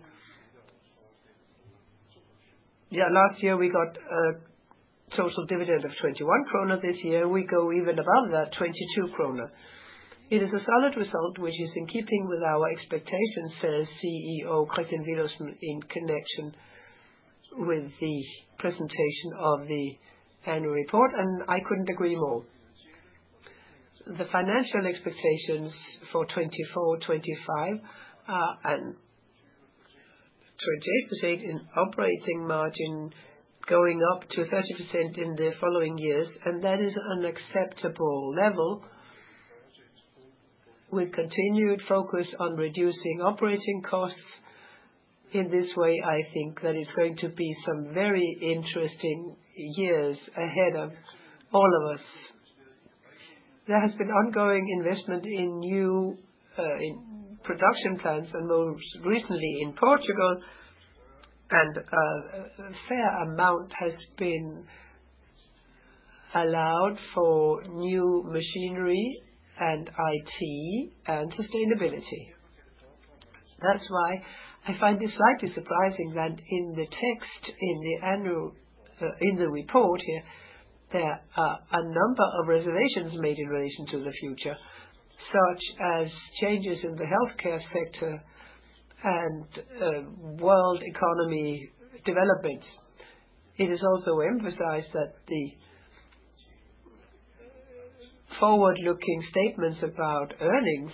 Last year, we got a total dividend of 21 kroner. This year, we go even above that, 22 kroner. "It is a solid result, which is in keeping with our expectations," says CEO Kristian Villumsen, in connection with the presentation of the annual report, and I couldn't agree more. The financial expectations for 24%, 25%, and 28% in operating margin, going up to 30% in the following years, and that is an acceptable level. We've continued focus on reducing operating costs. In this way, I think that it's going to be some very interesting years ahead of all of us. There has been ongoing investment in new in production plants and most recently in Portugal, and a fair amount has been allowed for new machinery and IT and sustainability. I find it slightly surprising that in the text, in the report here, there are a number of reservations made in relation to the future, such as changes in the healthcare sector and world economy development. It is also emphasized that the forward-looking statements about earnings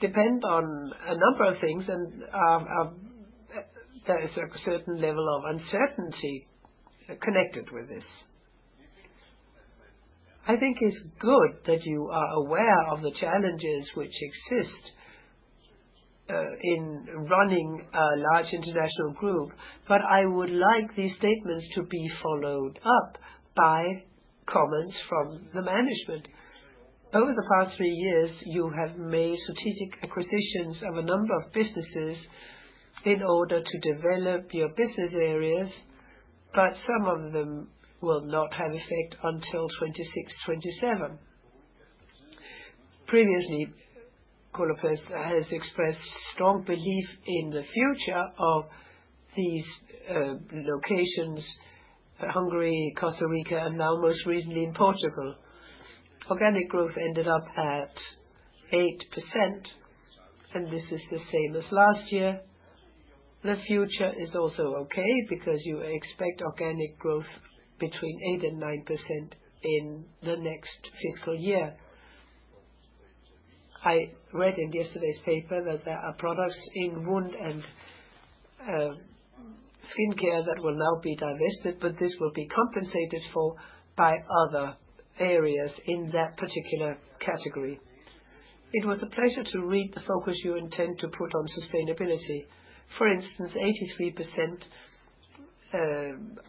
depend on a number of things, and there is a certain level of uncertainty connected with this. I think it's good that you are aware of the challenges which exist in running a large international group, but I would like these statements to be followed up by comments from the management. Over the past 3 years, you have made strategic acquisitions of a number of businesses in order to develop your business areas. Some of them will not have effect until 2026, 2027. Previously, Coloplast has expressed strong belief in the future of these locations, Hungary, Costa Rica, and now most recently in Portugal. Organic growth ended up at 8%. This is the same as last year. The future is also okay because you expect organic growth between 8% and 9% in the next fiscal year. I read in yesterday's paper that there are products in wound and skin care that will now be divested. This will be compensated for by other areas in that particular category. It was a pleasure to read the focus you intend to put on sustainability. For instance, 83%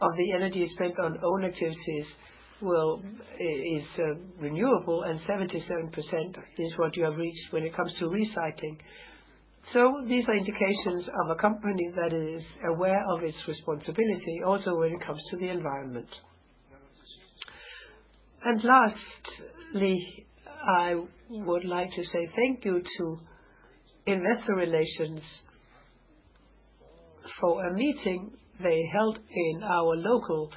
of the energy spent on own activities is renewable, and 77% is what you have reached when it comes to recycling. These are indications of a company that is aware of its responsibility also when it comes to the environment. Lastly, I would like to say thank you to investor relations for a meeting they held in our local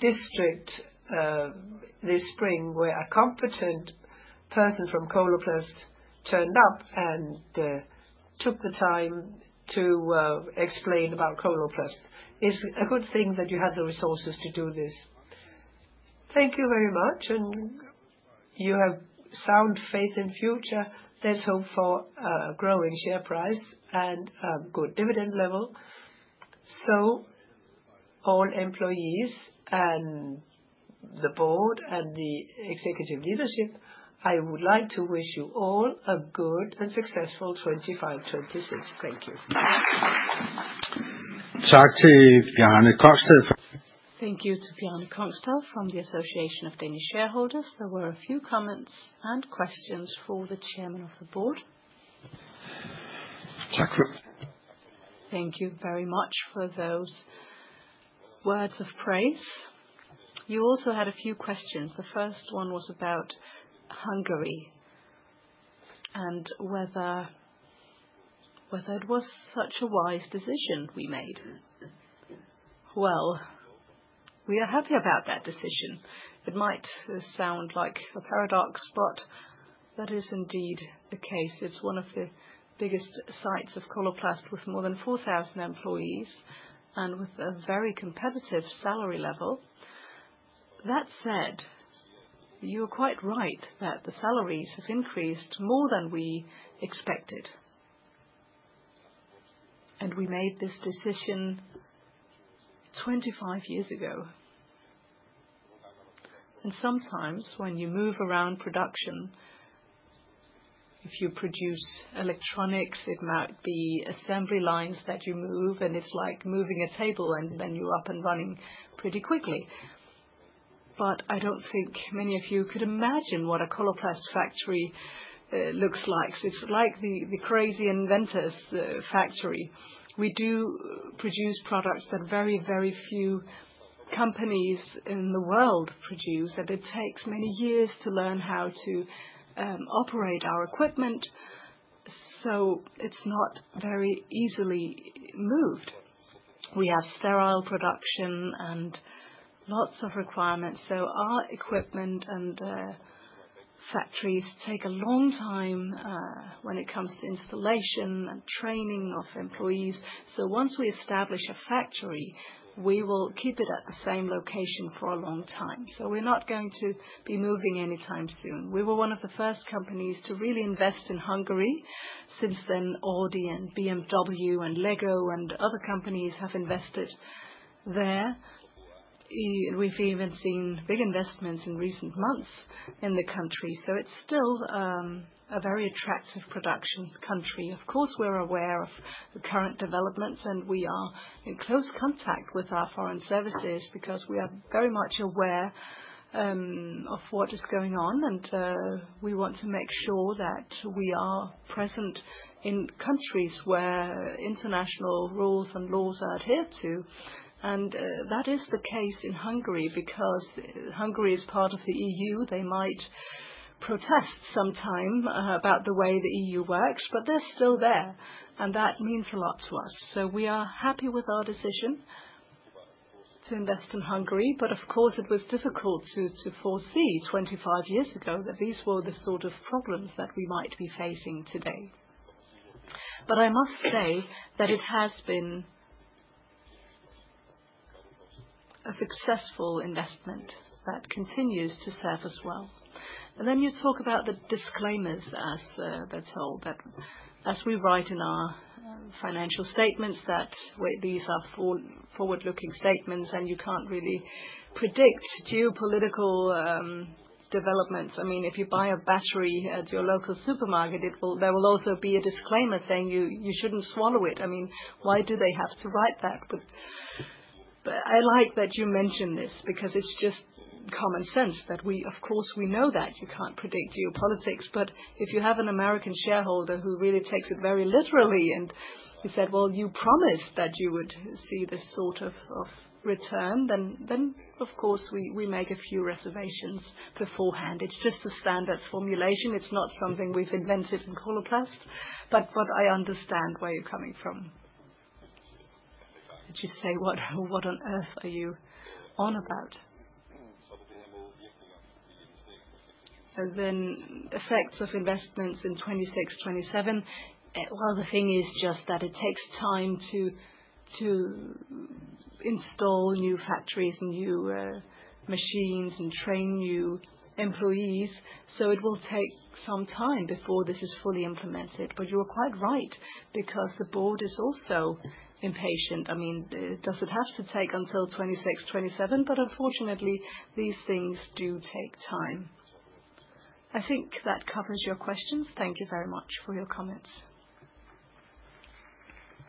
district this spring, where a competent person from Coloplast turned up and took the time to explain about Coloplast. It's a good thing that you have the resources to do this. Thank you very much. You have sound faith in future. There's hope for a growing share price and a good dividend level. All employees and the board and the executive leadership, I would like to wish you all a good and successful 2025/2026. Thank you. Thank you to Bjarne Kongsted from the Association of Danish Shareholders. There were a few comments and questions for the chairman of the board. Thank you very much for those words of praise. You also had a few questions. The first one was about Hungary and whether it was such a wise decision we made. Well, we are happy about that decision. It might sound like a paradox, but that is indeed the case. It's one of the biggest sites of Coloplast, with more than 4,000 employees and with a very competitive salary level. That said, you're quite right that the salaries have increased more than we expected. We made this decision 25 years ago. Sometimes when you move around production, if you produce electronics, it might be assembly lines that you move, and it's like moving a table, and then you're up and running pretty quickly. I don't think many of you could imagine what a Coloplast factory looks like. It's like the crazy inventors, the factory. We do produce products that very, very few companies in the world produce, and it takes many years to learn how to operate our equipment, so it's not very easily moved. We have sterile production and lots of requirements, so our equipment and factories take a long time when it comes to installation and training of employees. Once we establish a factory, we will keep it at the same location for a long time. We're not going to be moving anytime soon. We were one of the first companies to really invest in Hungary. Since then, Audi and BMW and Lego and other companies have invested there. We've even seen big investments in recent months in the country, so it's still a very attractive production country. Of course, we're aware of the current developments, and we are in close contact with our foreign services because we are very much aware of what is going on. We want to make sure that we are present in countries where international rules and laws are adhered to. That is the case in Hungary because Hungary is part of the EU. They might protest sometime about the way the EU works, but they're still there, and that means a lot to us. We are happy with our decision to invest in Hungary, but of course, it was difficult to foresee 25 years ago that these were the sort of problems that we might be facing today. I must say that it has been a successful investment that continues to serve us well. You talk about the disclaimers, as that's all. That as we write in our financial statements, that these are forward-looking statements, and you can't really predict geopolitical developments. I mean, if you buy a battery at your local supermarket, there will also be a disclaimer saying, you shouldn't swallow it. I mean, why do they have to write that? I like that you mention this because it's just common sense that of course, we know that you can't predict geopolitics. If you have an American shareholder who really takes it very literally and who said: Well, you promised that you would see this sort of return, of course, we make a few reservations beforehand. It's just a standard formulation. It's not something we've invented in Coloplast. I understand where you're coming from. I just say, what on earth are you on about? Effects of investments in 26, 27. The thing is just that it takes time to install new factories, new machines, and train new employees. It will take some time before this is fully implemented. You are quite right, because the board is also impatient. I mean, does it have to take until 2026, 2027? Unfortunately, these things do take time. I think that covers your questions. Thank you very much for your comments.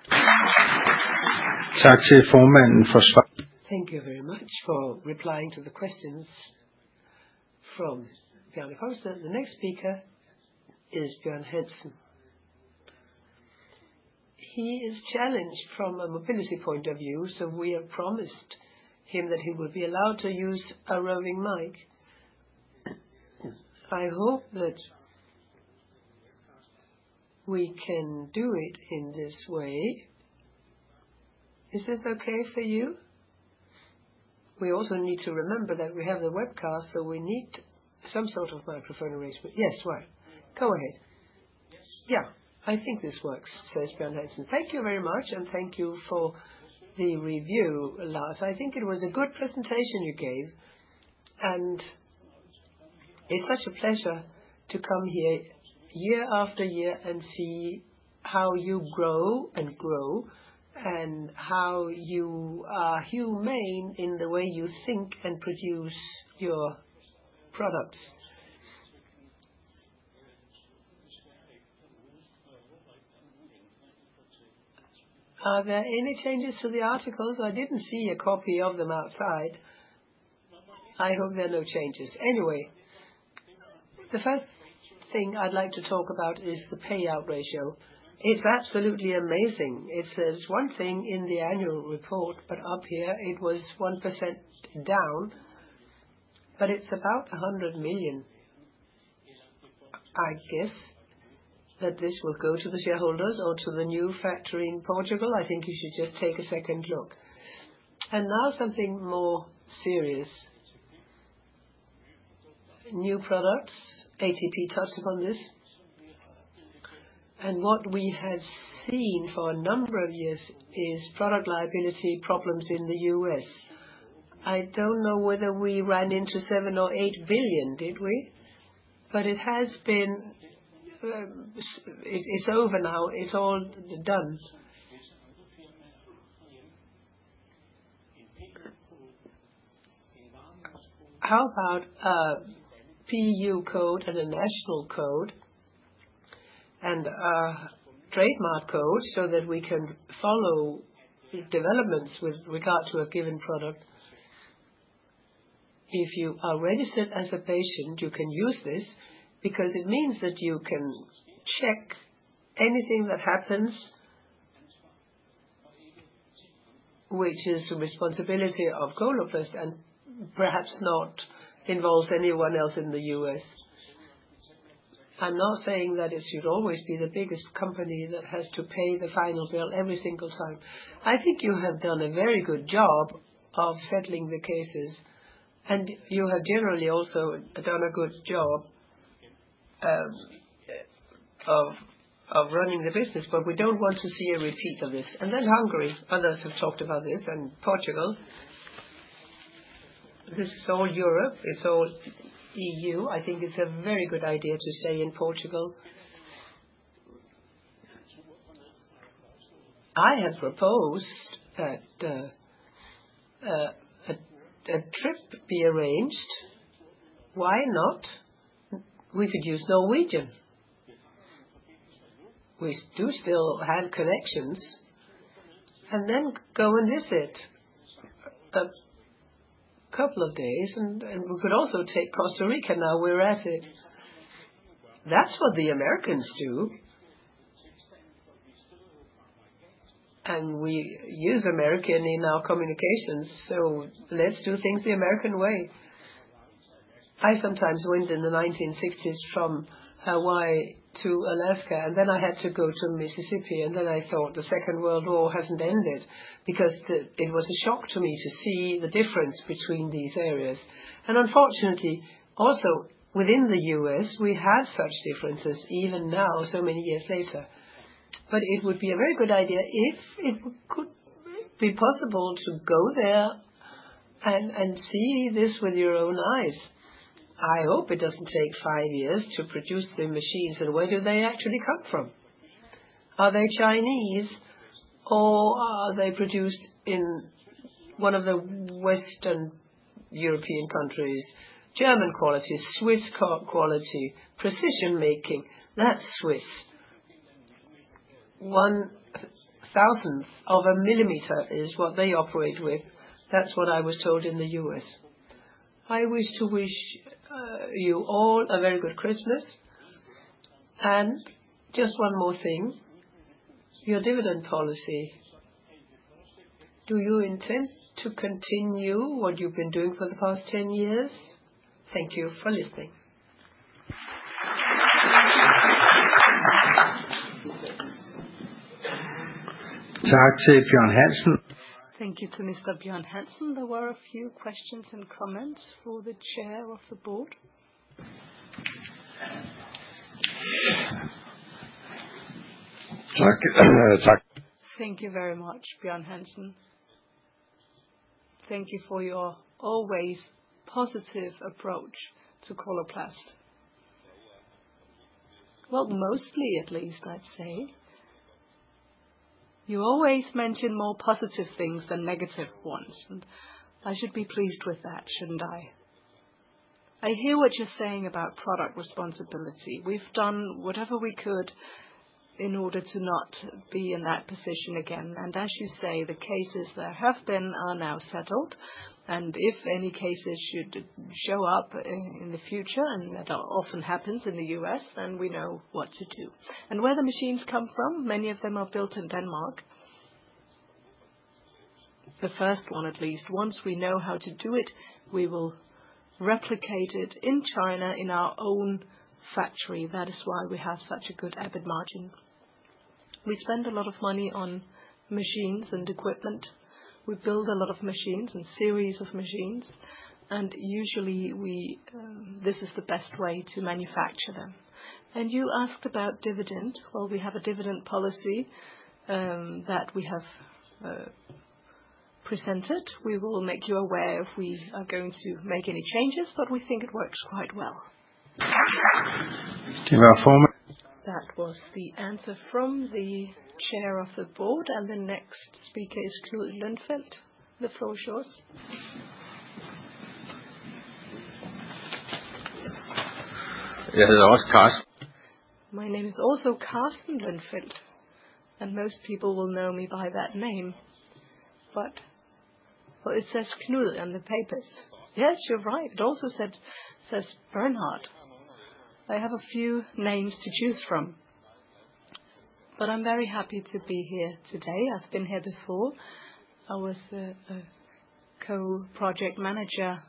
Thank you very much for replying to the questions from Bjarne Kongsted. The next speaker is Bjørn Hansen. He is challenged from a mobility point of view, so we have promised him that he will be allowed to use a roaming mic. I hope that we can do it in this way. Is this okay for you? We also need to remember that we have the webcast, so we need some sort of microphone arrangement. Yes, right. Go ahead. Yes. Yeah. I think this works, says Bjørn Hansen. Thank you very much, and thank you for the review, Lars. I think it was a good presentation you gave. It's such a pleasure to come here year after year and see how you grow and grow, and how you are humane in the way you think and produce your products. Are there any changes to the articles? I didn't see a copy of them outside. I hope there are no changes. The first thing I'd like to talk about is the payout ratio. It's absolutely amazing. It says one thing in the annual report, but up here it was 1% down, but it's about 100 million. I guess that this will go to the shareholders or to the new factory in Portugal. I think you should just take a second look. Now something more serious. New products, ATP touched upon this. What we have seen for a number of years is product liability problems in the US. I don't know whether we ran into $7 billion or $8 billion, did we? It's over now, it's all done. How about a PU code and a national code and a trademark code so that we can follow developments with regard to a given product? If you are registered as a patient, you can use this because it means that you can check anything that happens, which is the responsibility of Coloplast and perhaps not involves anyone else in the US. I'm not saying that it should always be the biggest company that has to pay the final bill every single time. I think you have done a very good job of settling the cases, and you have generally also done a good job of running the business, but we don't want to see a repeat of this. Hungary, others have talked about this, and Portugal. This is all Europe, it's all EU. I think it's a very good idea to stay in Portugal. I have proposed that a trip be arranged. Why not? We could use Norwegian. We do still have connections, and then go and visit 2 days, and we could also take Costa Rica now we're at it. That's what the Americans do. We use American in our communications. Let's do things the American way. I sometimes went in the 1960s from Hawaii to Alaska, then I had to go to Mississippi, then I thought the Second World War hasn't ended because it was a shock to me to see the difference between these areas. Unfortunately, also within the U.S., we have such differences even now, so many years later. It would be a very good idea if it could be possible to go there and see this with your own eyes. I hope it doesn't take 5 years to produce the machines. Where do they actually come from? Are they Chinese, or are they produced in one of the Western European countries? German quality, Swiss car quality, precision making, that's Swiss. 1 thousandth of a millimeter is what they operate with. That's what I was told in the U.S. I wish to you all a very good Christmas. Just one more thing, your dividend policy. Do you intend to continue what you've been doing for the past 10 years? Thank you for listening. Thank you, Bjørn Hansen. Thank you to Mr. Bjørn Hansen. There were a few questions and comments for the chair of the board. Thank you. Thank you. Thank you very much, Bjørn Hansen. Thank you for your always positive approach to Coloplast. Mostly at least, I'd say. You always mention more positive things than negative ones, I should be pleased with that, shouldn't I? I hear what you're saying about product responsibility. We've done whatever we could in order to not be in that position again. As you say, the cases there have been are now settled, if any cases should show up in the future, that often happens in the U.S., we know what to do. Where the machines come from, many of them are built in Denmark. The first one, at least. Once we know how to do it, we will replicate it in China, in our own factory. That is why we have such a good EBIT margin. We spend a lot of money on machines and equipment. We build a lot of machines and series of machines. This is the best way to manufacture them. You asked about dividend. Well, we have a dividend policy, that we have.... presented. We will make you aware if we are going to make any changes, but we think it works quite well. That was the answer from the Chair of the Board. The next speaker is Knud Lindfeldt, the floor is yours. Yeah, is it also Carsten? My name is also Carsten Lindfeldt, and most people will know me by that name, but well, it says Knud on the papers. Yes, you're right. It also said, says Bernhard. I have a few names to choose from, but I'm very happy to be here today. I've been here before. I was the co-project manager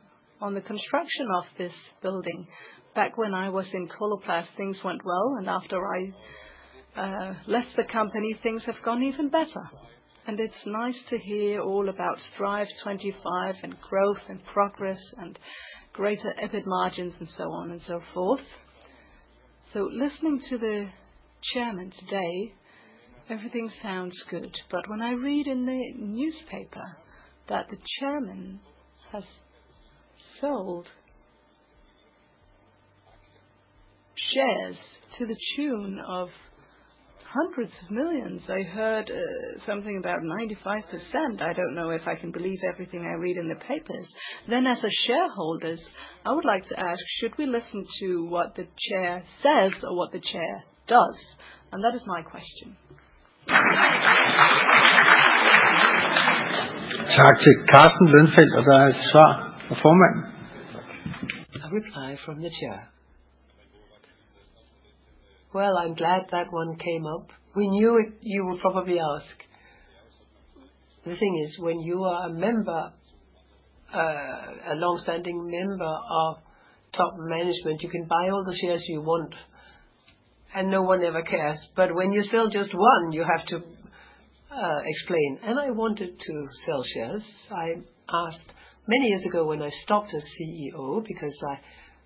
on the construction of this building. Back when I was in Coloplast, things went well, and after I left the company, things have gone even better. It's nice to hear all about Strive25, and growth, and progress, and greater EBIT margins, and so on and so forth. Listening to the chairman today, everything sounds good, but when I read in the newspaper that the chairman has sold shares to the tune of DKK hundreds of millions, I heard something about 95%. I don't know if I can believe everything I read in the papers. As a shareholder, I would like to ask, should we listen to what the chair says or what the chair does? That is my question. A reply from the chair. Well, I'm glad that one came up. We knew you would probably ask. The thing is, when you are a member, a long-standing member of top management, you can buy all the shares you want, and no one ever cares. When you sell just one, you have to explain. I wanted to sell shares. I asked many years ago when I stopped as CEO because I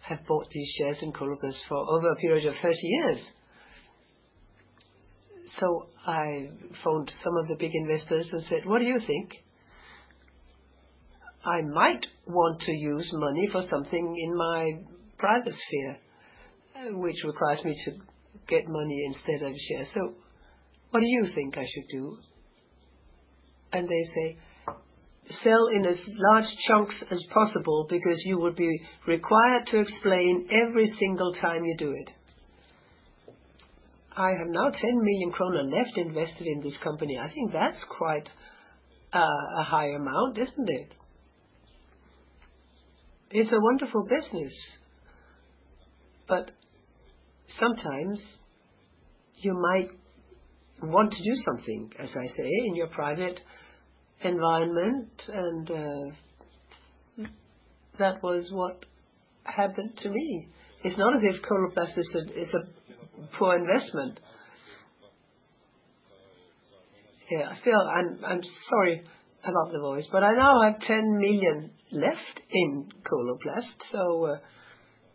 had bought these shares in Coloplast for over a period of 30 years. I phoned some of the big investors and said: "What do you think? I might want to use money for something in my private sphere, which requires me to get money instead of shares. What do you think I should do?" They say, "Sell in as large chunks as possible because you will be required to explain every single time you do it." I have now 10 million kroner left invested in this company. I think that's quite a high amount, isn't it? It's a wonderful business. Sometimes you might want to do something, as I say, in your private environment. That was what happened to me. It's not as if Coloplast is a poor investment. I feel... I'm sorry about the voice, I now have 10 million left in Coloplast.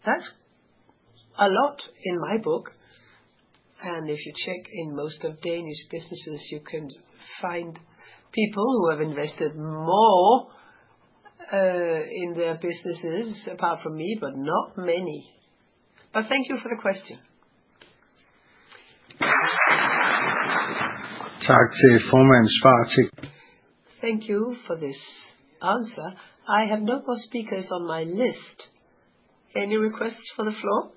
That's a lot in my book. If you check in most of Danish businesses, you can find people who have invested more in their businesses, apart from me, but not many. Thank you for the question. Thank you for this answer. I have no more speakers on my list. Any requests for the floor?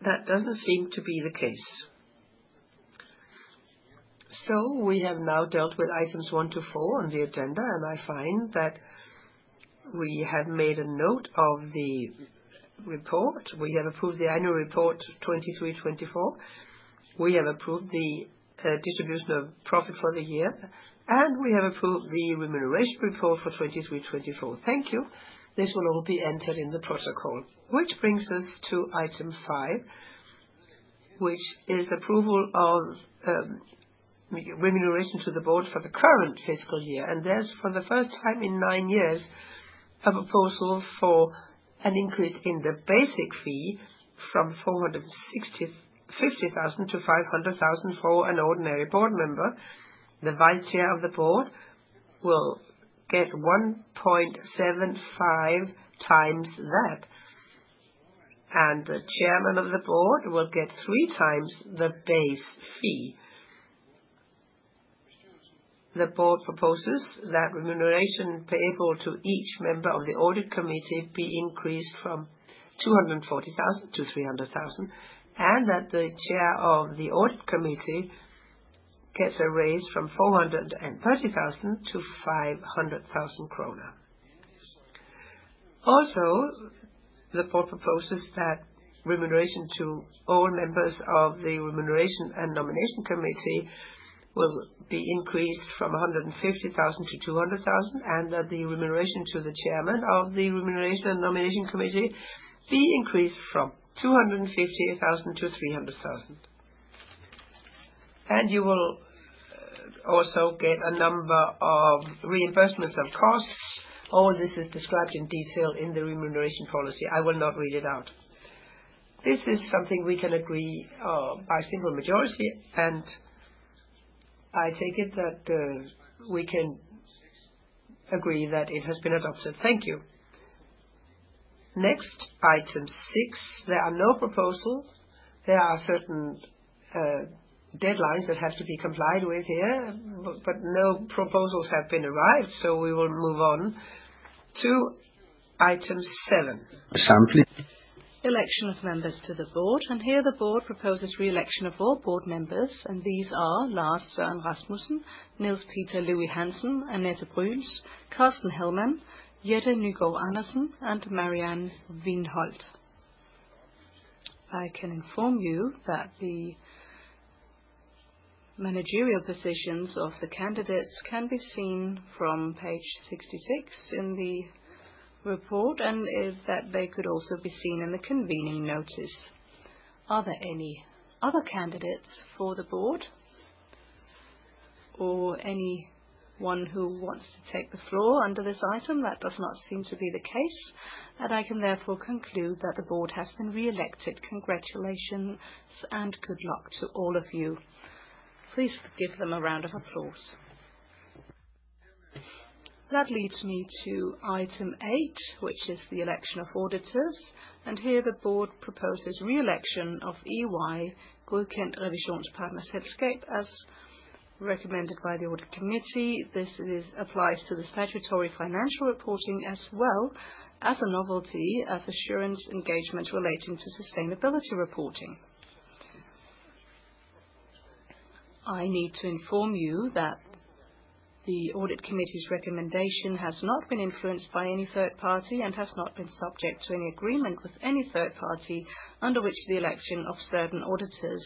That doesn't seem to be the case. We have now dealt with items 1 to 4 on the agenda, and I find that we have made a note of the report. We have approved the annual report 2023, 2024. We have approved the distribution of profit for the year, and we have approved the remuneration report for 2023, 2024. Thank you. This will all be entered in the protocol. Brings us to item five, which is approval of remuneration to the Board for the current fiscal year. There's, for the first time in nine years, a proposal for an increase in the basic fee from 450,000 DKK to 500,000 DKK for an ordinary Board member. The Vice Chair of the Board will get 1.75 times that. The Chairman of the Board will get three times the base fee. The Board proposes that remuneration payable to each member of the Audit Committee be increased from 240,000 DKK to 300,000 DKK. That the Chair of the Audit Committee gets a raise from 430,000 DKK to 500,000 kroner. The board proposes that remuneration to all members of the Remuneration and Nomination Committee will be increased from 150,000 to 200,000, and that the remuneration to the chairman of the Remuneration and Nomination Committee be increased from 250,000 to 300,000. You will also get a number of reimbursements, of course. All this is described in detail in the remuneration policy. I will not read it out. This is something we can agree by simple majority, and I take it that we can agree that it has been adopted. Thank you. Next, item 6. There are no proposals. There are certain deadlines that have to be complied with here, but no proposals have been arrived, so we will move on to item 7. Election of members to the board. Here the board proposes re-election of all board members. These are Lars Søren Rasmussen, Niels Peter Louis-Hansen, Annette Brüsch, Carsten Hellmann, Jette Nygaard-Andersen, and Marianne Wiinholt. I can inform you that the managerial positions of the candidates can be seen from page 66 in the report. They could also be seen in the convening notice. Are there any other candidates for the board or anyone who wants to take the floor under this item? That does not seem to be the case. I can therefore conclude that the board has been re-elected. Congratulations and good luck to all of you. Please give them a round of applause. That leads me to item 8, which is the election of auditors. Here the board proposes re-election of EY Godkendt Revisionspartnerselskab, as recommended by the audit committee. This is applies to the statutory financial reporting, as well as a novelty, as assurance engagement relating to sustainability reporting. I need to inform you that the audit committee's recommendation has not been influenced by any third party and has not been subject to any agreement with any third party, under which the election of certain auditors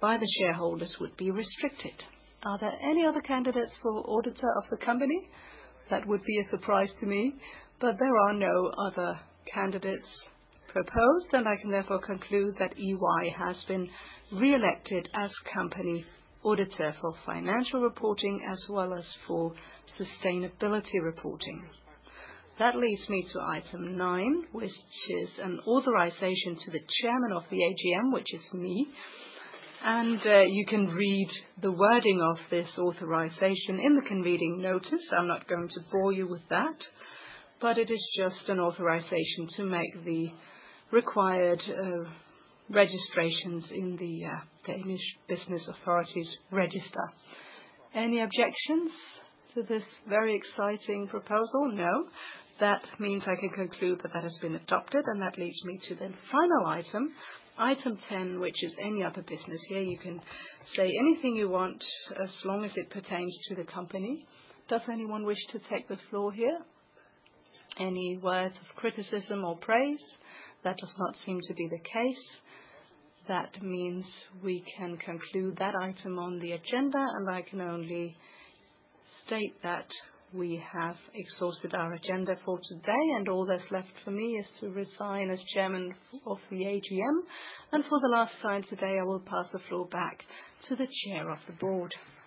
by the shareholders would be restricted. Are there any other candidates for auditor of the company? That would be a surprise to me, but there are no other candidates proposed, and I can therefore conclude that EY has been re-elected as company auditor for financial reporting as well as for sustainability reporting. That leads me to item nine, which is an authorization to the chairman of the AGM, which is me. You can read the wording of this authorization in the convening notice. I'm not going to bore you with that, but it is just an authorization to make the required registrations in the Danish business authorities register. Any objections to this very exciting proposal? No. That means I can conclude that that has been adopted, and that leads me to the final item 10, which is any other business. Here you can say anything you want as long as it pertains to the company. Does anyone wish to take the floor here? Any words of criticism or praise? That does not seem to be the case. That means we can conclude that item on the agenda, and I can only state that we have exhausted our agenda for today, and all that's left for me is to resign as chairman of the AGM. For the last time today, I will pass the floor back to the chair of the board.